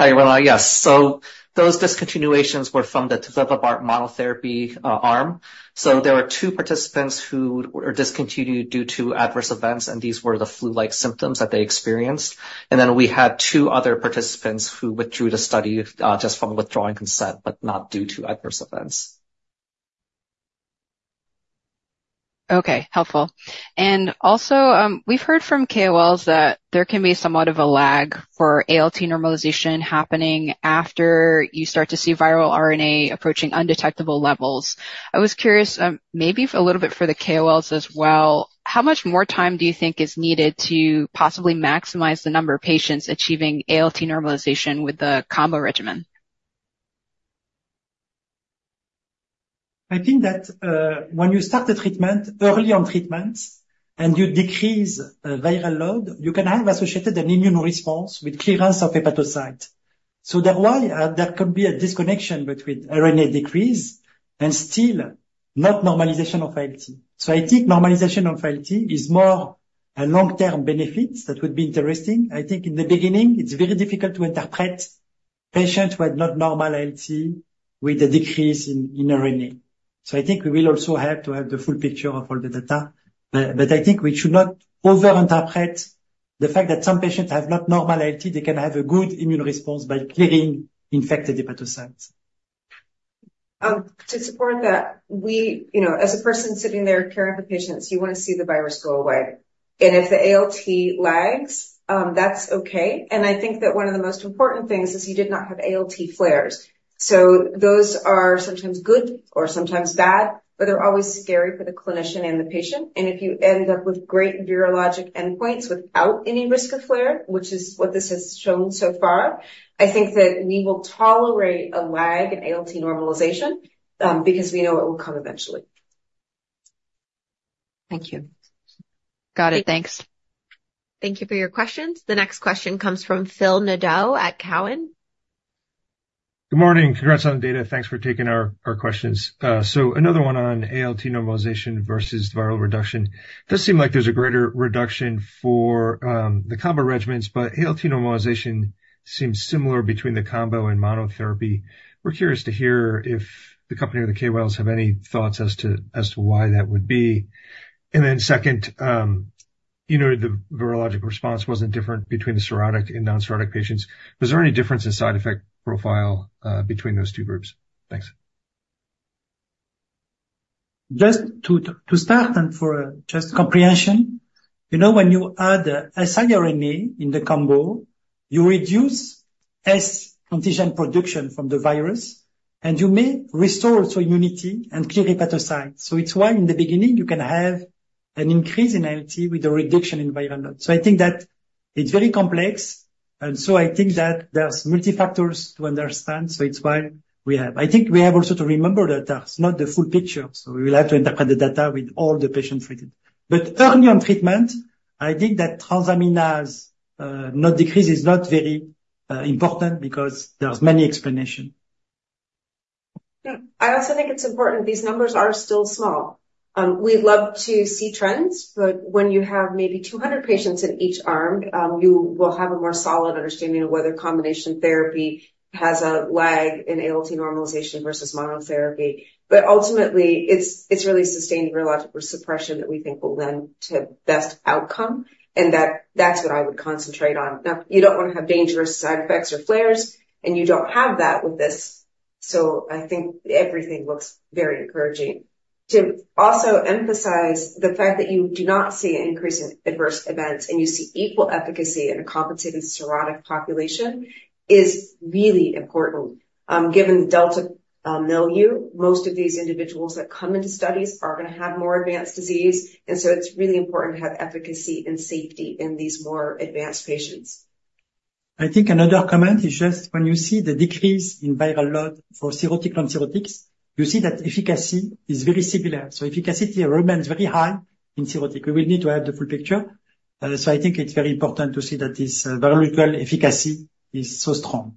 [SPEAKER 5] Yes, so those discontinuations were from the tobevibart monotherapy arm. So there were two participants who were discontinued due to adverse events, and these were the flu-like symptoms that they experienced. And then we had two other participants who withdrew from the study just from withdrawing consent, but not due to adverse events.
[SPEAKER 8] Okay, helpful. And also, we've heard from KOLs that there can be somewhat of a lag for ALT normalization happening after you start to see viral RNA approaching undetectable levels. I was curious, maybe a little bit for the KOLs as well, how much more time do you think is needed to possibly maximize the number of patients achieving ALT normalization with the combo regimen?
[SPEAKER 4] I think that, when you start the treatment early on treatments and you decrease viral load, you can have associated an immune response with clearance of hepatocyte. So that's why there can be a disconnection between RNA decrease and still not normalization of ALT. So I think normalization of ALT is more a long-term benefit that would be interesting. I think in the beginning, it's very difficult to interpret patients who had not normal ALT with a decrease in RNA. So I think we will also have to have the full picture of all the data, but I think we should not overinterpret the fact that some patients have not normal ALT; they can have a good immune response by clearing infected hepatocytes.
[SPEAKER 6] To support that, we, you know, as a person sitting there caring for patients, you want to see the virus go away. And if the ALT lags, that's okay. And I think that one of the most important things is you did not have ALT flares. So those are sometimes good or sometimes bad, but they're always scary for the clinician and the patient. And if you end up with great virologic endpoints without any risk of flare, which is what this has shown so far, I think that we will tolerate a lag in ALT normalization, because we know it will come eventually. Thank you.
[SPEAKER 8] Got it. Thanks.
[SPEAKER 1] Thank you for your questions. The next question comes from Phil Nadeau at Cowen.
[SPEAKER 9] Good morning. Congrats on the data. Thanks for taking our questions. So another one on ALT normalization versus viral reduction. Does seem like there's a greater reduction for the combo regimens, but ALT normalization seems similar between the combo and monotherapy. We're curious to hear if the company or the KOLs have any thoughts as to why that would be. And then second, you know, the virologic response wasn't different between the cirrhotic and non-cirrhotic patients. Was there any difference in side effect profile between those two groups? Thanks.
[SPEAKER 4] Just to start and for just comprehension, you know, when you add RNA in the combo, you reduce S antigen production from the virus, and you may restore also immunity and clear hepatocytes. So it's why, in the beginning, you can have an increase in ALT with a reduction in viral load. So I think that it's very complex, and so I think that there's multi factors to understand, so it's why we have... I think we have also to remember that that's not the full picture, so we will have to interpret the data with all the patient data. But early on treatment, I think that transaminase not decrease is not very important because there's many explanation.
[SPEAKER 6] Yeah. I also think it's important, these numbers are still small. We'd love to see trends, but when you have maybe 200 patients in each arm, you will have a more solid understanding of whether combination therapy has a lag in ALT normalization versus monotherapy. But ultimately, it's, it's really sustained virologic suppression that we think will lend to best outcome, and that, that's what I would concentrate on. Now, you don't want to have dangerous side effects or flares, and you don't have that with this, so I think everything looks very encouraging. To also emphasize the fact that you do not see an increase in adverse events, and you see equal efficacy in a compensated cirrhotic population is really important. Given the delta milieu, most of these individuals that come into studies are going to have more advanced disease, and so it's really important to have efficacy and safety in these more advanced patients.
[SPEAKER 4] I think another comment is just when you see the decrease in viral load for cirrhotic, non-cirrhotics, you see that efficacy is very similar. So efficacy remains very high in cirrhotic. We will need to have the full picture. So I think it's very important to see that this viral load efficacy is so strong.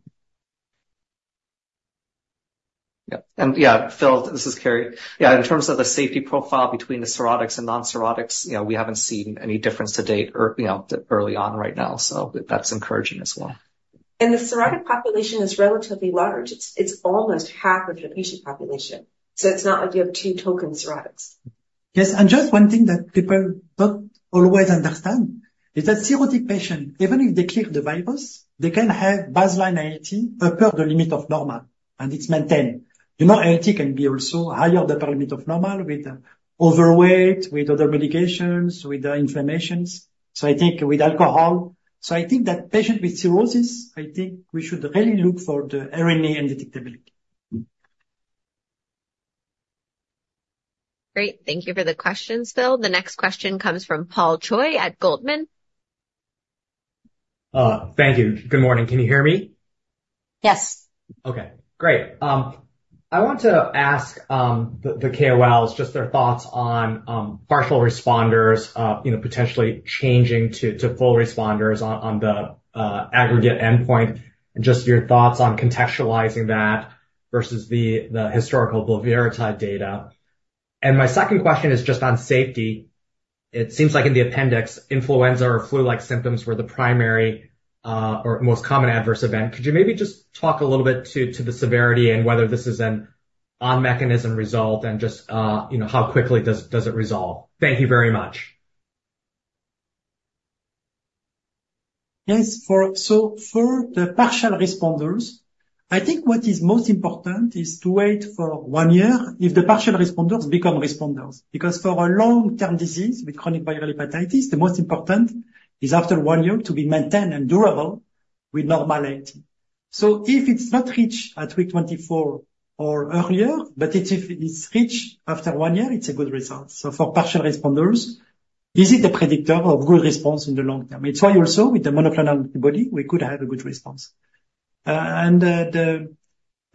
[SPEAKER 5] Yeah. And yeah, Phil, this is Carey. Yeah, in terms of the safety profile between the cirrhotics and non-cirrhotics, you know, we haven't seen any difference to date or, you know, early on right now, so that's encouraging as well.
[SPEAKER 6] The cirrhotic population is relatively large. It's almost half of the patient population, so it's not like you have two token cirrhotics.
[SPEAKER 4] Yes, and just one thing that people don't always understand is that cirrhotic patient, even if they clear the virus, they can have baseline ALT above the limit of normal, and it's maintained. You know, ALT can be also higher the limit of normal with overweight, with other medications, with inflammations. So I think with alcohol. So I think that patient with cirrhosis, I think we should really look for the RNA undetectable.
[SPEAKER 1] Great. Thank you for the questions, Phil. The next question comes from Paul Choi at Goldman.
[SPEAKER 10] Thank you. Good morning. Can you hear me?
[SPEAKER 1] Yes.
[SPEAKER 10] Okay, great. I want to ask the KOLs just their thoughts on partial responders, you know, potentially changing to full responders on the aggregate endpoint, and just your thoughts on contextualizing that versus the historical boceprevir type data. My second question is just on safety. It seems like in the appendix, influenza or flu-like symptoms were the primary or most common adverse event. Could you maybe just talk a little bit to the severity and whether this is an on-mechanism result and just you know, how quickly does it resolve? Thank you very much.
[SPEAKER 4] Yes. So for the partial responders, I think what is most important is to wait for one year if the partial responders become responders, because for a long-term disease with chronic viral hepatitis, the most important is after one year to be maintained and durable with normal ALT. So if it's not reached at week 24 or earlier, but if it is reached after one year, it's a good result. So for partial responders, this is the predictor of good response in the long term. It's why also with the monoclonal antibody, we could have a good response. And the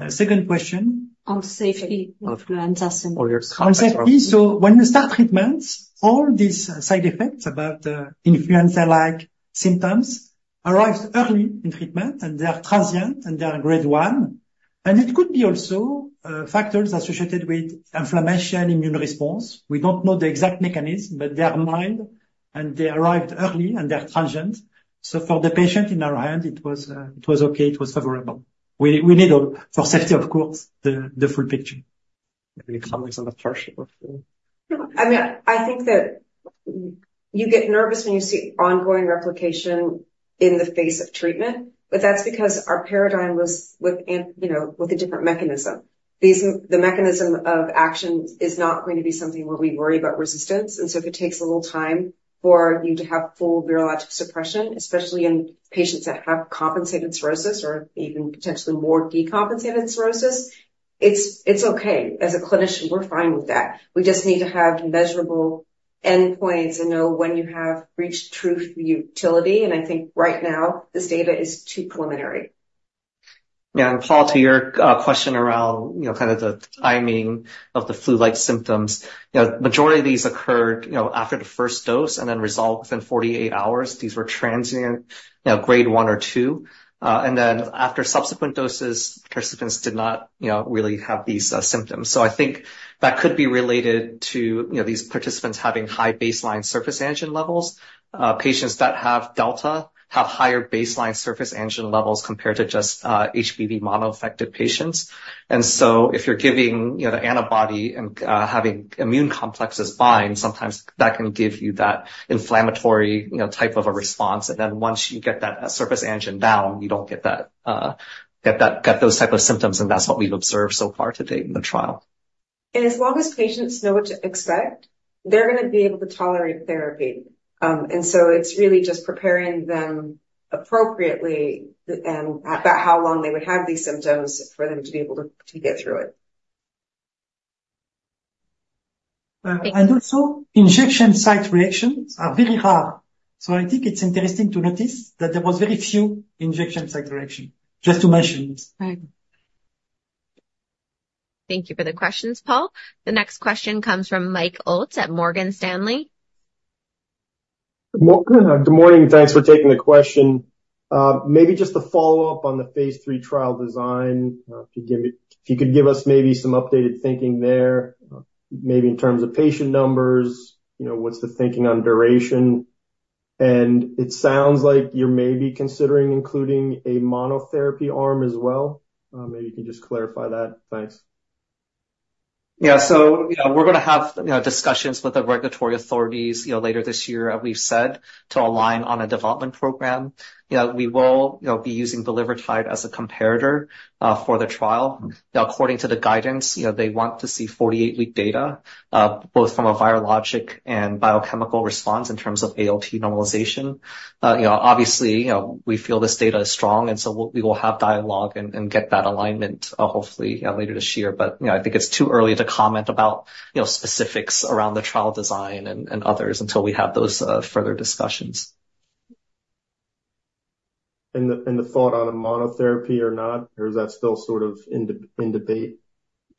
[SPEAKER 4] second question?
[SPEAKER 9] On safety of influenza symptoms.
[SPEAKER 10] All your-
[SPEAKER 4] On safety, when you start treatment, all these side effects about influenza-like symptoms arrives early in treatment, and they are transient, and they are grade one. It could be also factors associated with inflammation, immune response. We don't know the exact mechanism, but they are mild, and they arrived early, and they are transient. So for the patient in our hand, it was okay, it was favorable. We need for safety, of course, the full picture....
[SPEAKER 5] Any comments on the partial refill?
[SPEAKER 6] I mean, I think that you get nervous when you see ongoing replication in the face of treatment, but that's because our paradigm was with, you know, with a different mechanism. These, the mechanism of action is not going to be something where we worry about resistance, and so if it takes a little time for you to have full virologic suppression, especially in patients that have compensated cirrhosis or even potentially more decompensated cirrhosis, it's, it's okay. As a clinician, we're fine with that. We just need to have measurable endpoints and know when you have reached true utility, and I think right now, this data is too preliminary.
[SPEAKER 5] Yeah, and Paul, to your question around, you know, kind of the timing of the flu-like symptoms. You know, majority of these occurred, you know, after the first dose and then resolved within 48 hours. These were transient, you know, grade one or two, and then after subsequent doses, participants did not, you know, really have these symptoms. So I think that could be related to, you know, these participants having high baseline surface antigen levels. Patients that have delta have higher baseline surface antigen levels compared to just, uh, HBV mono-affected patients. And so if you're giving, you know, the antibody and having immune complexes bind, sometimes that can give you that inflammatory, you know, type of a response, and then once you get that surface antigen down, you don't get those type of symptoms, and that's what we've observed so far to date in the trial.
[SPEAKER 6] As long as patients know what to expect, they're going to be able to tolerate therapy. So it's really just preparing them appropriately and about how long they would have these symptoms for them to be able to, to get through it.
[SPEAKER 4] And also injection site reactions are very hard. So I think it's interesting to notice that there was very few injection site reaction, just to mention it. Right.
[SPEAKER 1] Thank you for the questions, Paul. The next question comes from Michael Ulz at Morgan Stanley.
[SPEAKER 11] Good morning, and thanks for taking the question. Maybe just to follow up on the phase III trial design, if you could give us maybe some updated thinking there, maybe in terms of patient numbers, you know, what's the thinking on duration? And it sounds like you're maybe considering including a monotherapy arm as well. Maybe you can just clarify that. Thanks.
[SPEAKER 5] Yeah, so, you know, we're going to have, you know, discussions with the regulatory authorities, you know, later this year, as we've said, to align on a development program. You know, we will, you know, be using the bulevirtide as a comparator, for the trial. According to the guidance, you know, they want to see 48-week data, both from a virologic and biochemical response in terms of ALT normalization. You know, obviously, you know, we feel this data is strong, and so we'll, we will have dialogue and, and get that alignment, hopefully, later this year. But, you know, I think it's too early to comment about, you know, specifics around the trial design and, and others until we have those, further discussions.
[SPEAKER 11] And the thought on a monotherapy or not, or is that still sort of in debate?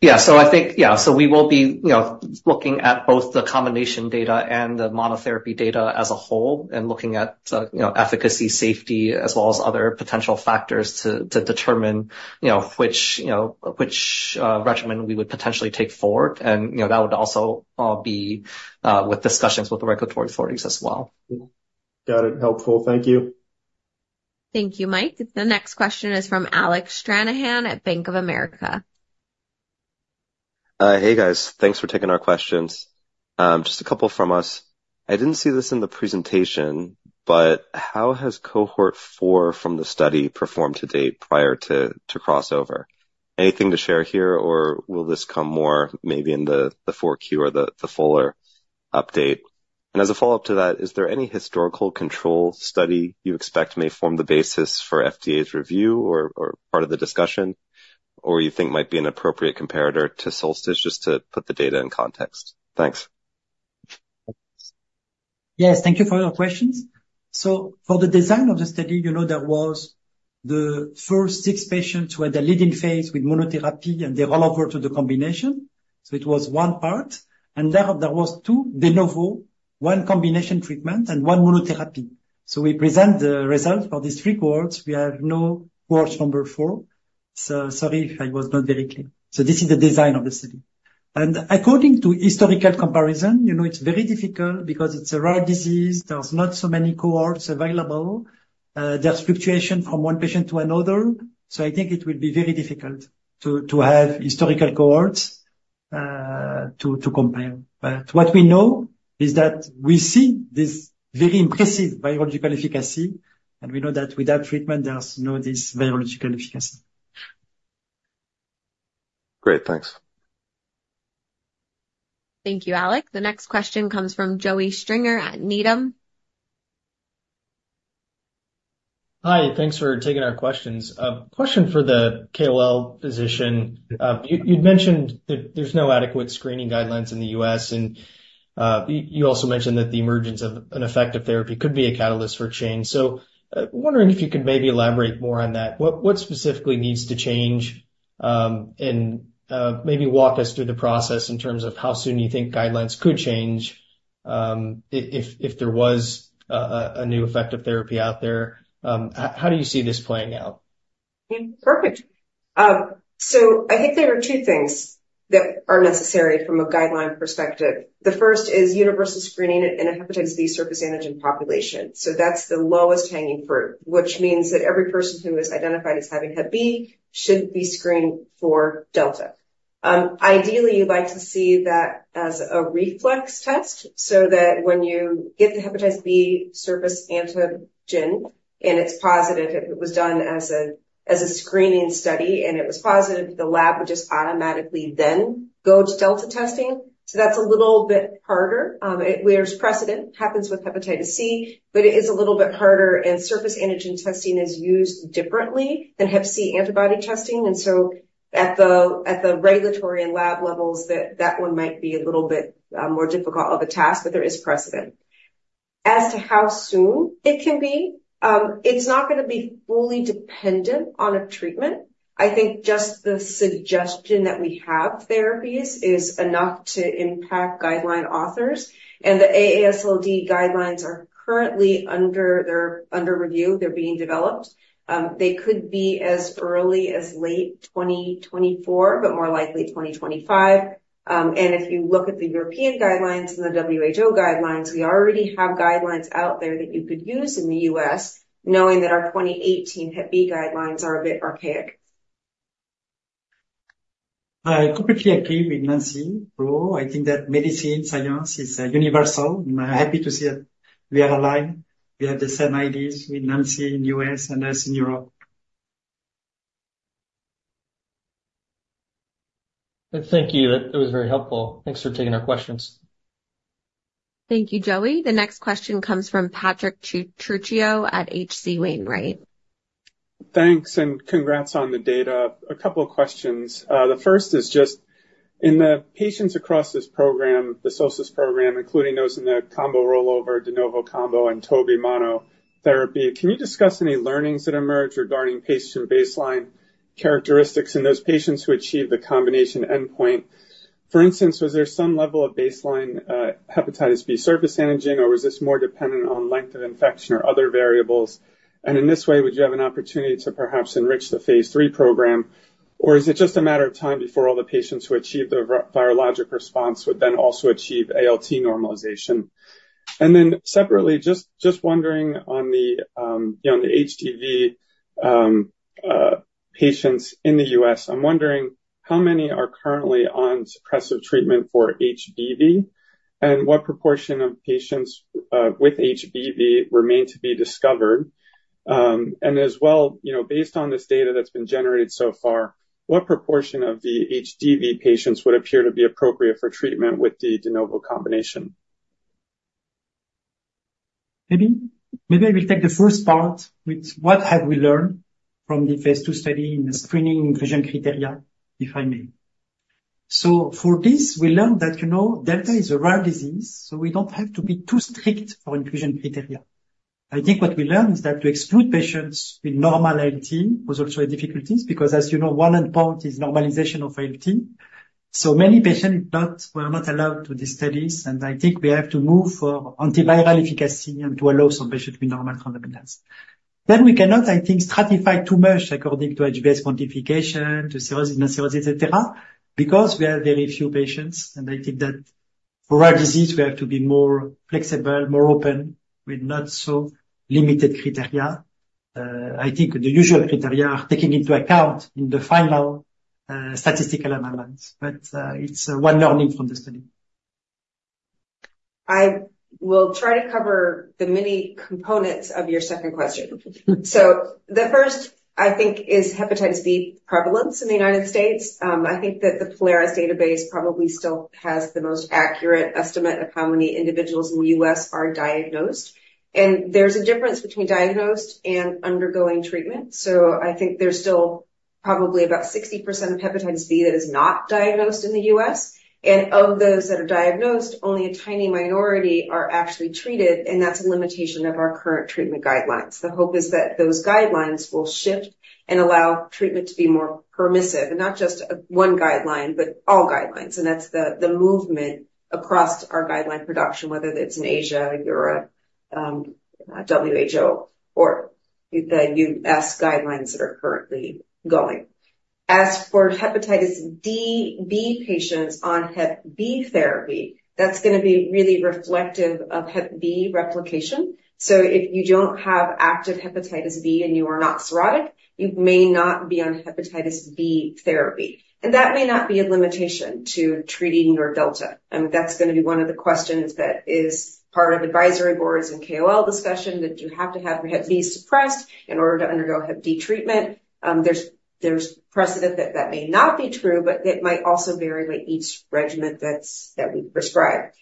[SPEAKER 5] Yeah. So I think, yeah, so we will be, you know, looking at both the combination data and the monotherapy data as a whole and looking at, you know, efficacy, safety, as well as other potential factors to, to determine, you know, which, you know, which regimen we would potentially take forward. And, you know, that would also be with discussions with the regulatory authorities as well.
[SPEAKER 11] Got it. Helpful. Thank you.
[SPEAKER 1] Thank you, Mike. The next question is from Alec Stranahan at Bank of America.
[SPEAKER 12] Hey, guys. Thanks for taking our questions. Just a couple from us. I didn't see this in the presentation, but how has cohort four from the study performed to date prior to crossover? Anything to share here, or will this come more maybe in the 4Q or the fuller update? And as a follow-up to that, is there any historical control study you expect may form the basis for FDA's review or part of the discussion, or you think might be an appropriate comparator to SOLSTICE, just to put the data in context? Thanks.
[SPEAKER 4] Yes, thank you for your questions. So for the design of the study, you know, there was the first six patients who had a lead-in phase with monotherapy, and they all over to the combination. So it was one part, and then there was two de novo, one combination treatment and one monotherapy. So we present the results for these threee cohorts. We have no cohort number four, so sorry if I was not very clear. So this is the design of the study. And according to historical comparison, you know, it's very difficult because it's a rare disease. There's not so many cohorts available. There are fluctuation from one patient to another, so I think it will be very difficult to have historical cohorts to compare. What we know is that we see this very impressive virologic efficacy, and we know that without treatment, there's no this virologic efficacy.
[SPEAKER 12] Great. Thanks.
[SPEAKER 1] Thank you, Alec. The next question comes from Joseph Stringer at Needham.
[SPEAKER 13] Hi, thanks for taking our questions. Question for the KOL physician. You'd mentioned that there's no adequate screening guidelines in the U.S., and you also mentioned that the emergence of an effective therapy could be a catalyst for change. Wondering if you could maybe elaborate more on that. What specifically needs to change, and maybe walk us through the process in terms of how soon you think guidelines could change, if there was a new effective therapy out there? How do you see this playing out?
[SPEAKER 6] Perfect. So I think there are two things that are necessary from a guideline perspective. The first is universal screening in a hepatitis B surface antigen population. So that's the lowest hanging fruit, which means that every person who is identified as having hep B should be screened for delta. Ideally, you'd like to see that as a reflex test, so that when you get the hepatitis B surface antigen and it's positive, if it was done as a screening study, and it was positive, the lab would just automatically then go to delta testing. So that's a little bit harder. There's precedent, happens with hepatitis C, but it is a little bit harder, and surface antigen testing is used differently than hep C antibody testing. So at the regulatory and lab levels, that one might be a little bit more difficult of a task, but there is precedent. As to how soon it can be, it's not gonna be fully dependent on a treatment. I think just the suggestion that we have therapies is enough to impact guideline authors, and the AASLD guidelines are currently under review. They're being developed. They could be as early as late 2024, but more likely 2025. And if you look at the European guidelines and the WHO guidelines, we already have guidelines out there that you could use in the U.S., knowing that our 2018 hep B guidelines are a bit archaic.
[SPEAKER 4] I completely agree with Nancy, Reau. I think that medicine science is universal. I'm happy to see that we are aligned. We have the same ideas with Nancy in U.S. and us in Europe.
[SPEAKER 13] Thank you. That was very helpful. Thanks for taking our questions.
[SPEAKER 1] Thank you, Joey. The next question comes from Patrick Trucchio at H.C. Wainwright.
[SPEAKER 14] Thanks, and congrats on the data. A couple of questions. The first is just, in the patients across this program, the SOLSTICE program, including those in the combo rollover, de novo combo, and tobe monotherapy, can you discuss any learnings that emerged regarding patient baseline characteristics in those patients who achieved the combination endpoint? For instance, was there some level of baseline, hepatitis B surface antigen, or was this more dependent on length of infection or other variables? And in this way, would you have an opportunity to perhaps enrich the phase III program, or is it just a matter of time before all the patients who achieve the virologic response would then also achieve ALT normalization? And then separately, just wondering on the, you know, on the HDV patients in the U.S., I'm wondering how many are currently on suppressive treatment for HDV, and what proportion of patients with HDV remain to be discovered? And as well, you know, based on this data that's been generated so far, what proportion of the HDV patients would appear to be appropriate for treatment with the de novo combination?
[SPEAKER 4] Maybe, maybe I will take the first part with what have we learned from the phase II study in the screening inclusion criteria, if I may. So for this, we learned that, you know, delta is a rare disease, so we don't have to be too strict for inclusion criteria. I think what we learned is that to exclude patients with normal ALT was also a difficulty, because, as you know, one important is normalization of ALT. So many patients were not allowed to these studies, and I think we have to move for antiviral efficacy and to allow some patients with normal ALT. Then we cannot, I think, stratify too much according to HBsAg quantification, to cirrhosis, not cirrhosis, et cetera, because we are very few patients, and I think that for rare disease, we have to be more flexible, more open, with not so limited criteria. I think the usual criteria are taking into account in the final statistical analysis, but it's one learning from the study.
[SPEAKER 6] I will try to cover the many components of your second question. So the first, I think, is hepatitis B prevalence in the United States. I think that the Polaris database probably still has the most accurate estimate of how many individuals in the US are diagnosed, and there's a difference between diagnosed and undergoing treatment. So I think there's still probably about 60% of hepatitis B that is not diagnosed in the US, and of those that are diagnosed, only a tiny minority are actually treated, and that's a limitation of our current treatment guidelines. The hope is that those guidelines will shift and allow treatment to be more permissive, and not just one guideline, but all guidelines. And that's the movement across our guideline production, whether it's in Asia, Europe, WHO or the US guidelines that are currently going. As for hepatitis D, B patients on hep B therapy, that's gonna be really reflective of hep B replication. So if you don't have active hepatitis B and you are not cirrhotic, you may not be on hepatitis B therapy, and that may not be a limitation to treating your delta. That's gonna be one of the questions that is part of advisory boards and KOL discussion, that you have to have your hep B suppressed in order to undergo hep D treatment. There's precedent that that may not be true, but it might also vary by each regimen that we prescribe.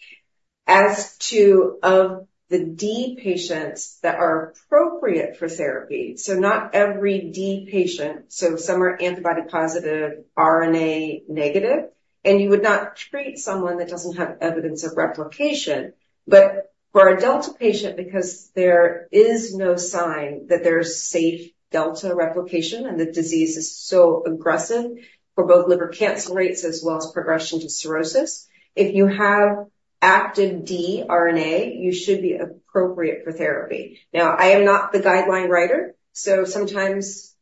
[SPEAKER 6] As to of the D patients that are appropriate for therapy, so not every D patient, so some are antibody-positive, RNA-negative, and you would not treat someone that doesn't have evidence of replication. But for a delta patient, because there is no sign that there's safe delta replication and the disease is so aggressive for both liver cancer rates as well as progression to cirrhosis, if you have active DNA, you should be appropriate for therapy. Now, I am not the guideline writer, so sometimes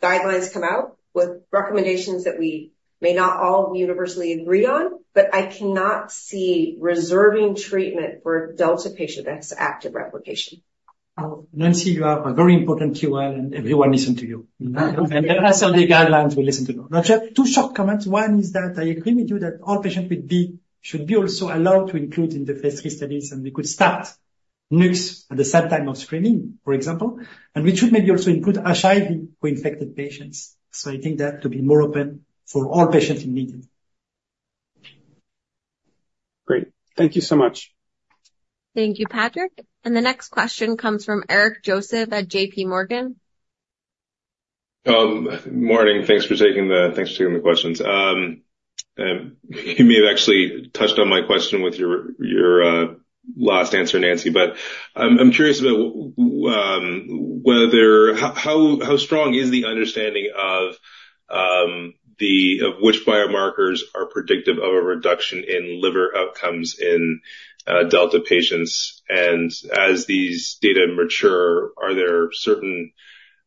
[SPEAKER 6] guidelines come out with recommendations that we may not all universally agree on, but I cannot see reserving treatment for a delta patient that's active replication.
[SPEAKER 4] Nancy, you are a very important KOL, and everyone listens to you. And then, as all the guidelines, we listen to her. But two short comments. One is that I agree with you that all patients with D should be also allowed to include in the phase III studies, and we could start nucs at the same time of screening, for example. And we should maybe also include HIV co-infected patients. So I think that to be more open for all patients in need.
[SPEAKER 14] Great. Thank you so much.
[SPEAKER 1] Thank you, Patrick. The next question comes from Eric Joseph at J.P. Morgan.
[SPEAKER 15] Morning. Thanks for taking the questions. You may have actually touched on my question with your last answer, Nancy. But I'm curious about whether how strong is the understanding of which biomarkers are predictive of a reduction in liver outcomes in delta patients? And as these data mature, are there certain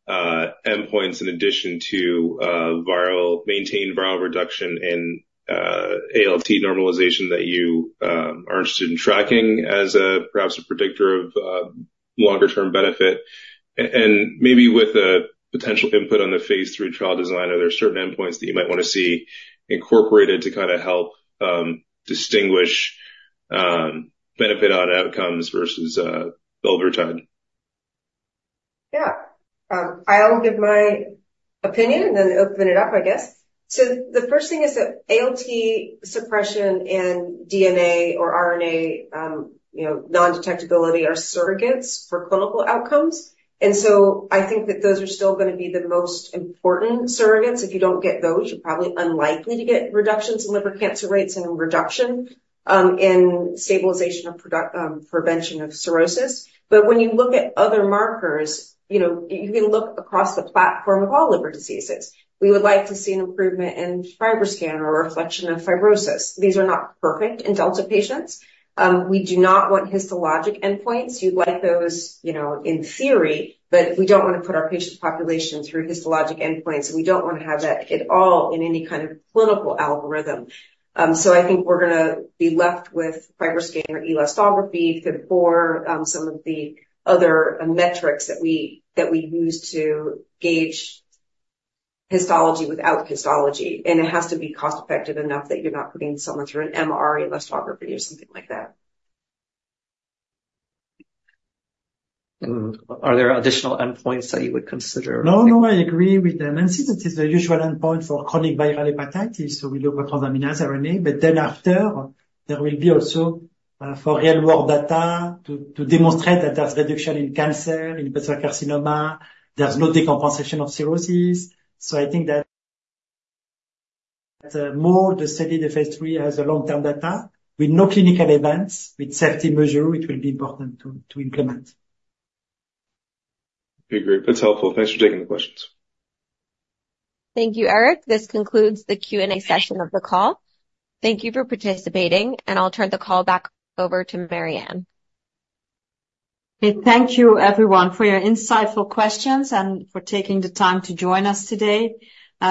[SPEAKER 15] endpoints in addition to maintained viral reduction in ALT normalization that you are interested in tracking as perhaps a predictor of longer term benefit? And maybe with a potential input on the phase III trial design, are there certain endpoints that you might want to see incorporated to kind of help distinguish benefit on outcomes versus over time?
[SPEAKER 6] Yeah. I'll give my opinion and then open it up, I guess. So the first thing is that ALT suppression in DNA or RNA, you know, non-detectability are surrogates for clinical outcomes. And so I think that those are still gonna be the most important surrogates. If you don't get those, you're probably unlikely to get reductions in liver cancer rates and prevention of cirrhosis. But when you look at other markers, you know, you can look across the platform of all liver diseases. We would like to see an improvement in FibroScan or a reflection of fibrosis. These are not perfect in delta patients. We do not want histologic endpoints. You'd like those, you know, in theory, but we don't want to put our patient population through histologic endpoints. We don't want to have that at all in any kind of clinical algorithm. So I think we're gonna be left with FibroScan or elastography for some of the other metrics that we use to gauge histology without histology. It has to be cost-effective enough that you're not putting someone through an MRE elastography or something like that.
[SPEAKER 4] Are there additional endpoints that you would consider? No, no, I agree with them, and since it is the usual endpoint for chronic viral hepatitis, so we look at transaminase RNA. But then after, there will be also, for real-world data to, to demonstrate that there's reduction in cancer, in carcinoma. There's no decompensation of cirrhosis. So I think that, more the study, the phase III has a long-term data with no clinical events, with safety measure, which will be important to, to implement.
[SPEAKER 15] Agreed. That's helpful. Thanks for taking the questions.
[SPEAKER 1] Thank you, Eric. This concludes the Q&A session of the call. Thank you for participating, and I'll turn the call back over to Marianne.
[SPEAKER 3] Thank you everyone for your insightful questions and for taking the time to join us today.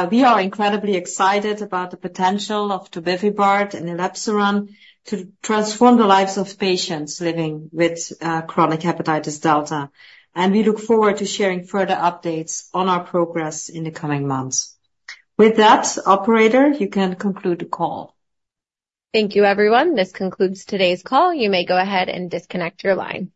[SPEAKER 3] We are incredibly excited about the potential of tobevibart and elebsiran to transform the lives of patients living with, chronic hepatitis delta. We look forward to sharing further updates on our progress in the coming months. With that, operator, you can conclude the call.
[SPEAKER 1] Thank you, everyone. This concludes today's call. You may go ahead and disconnect your line.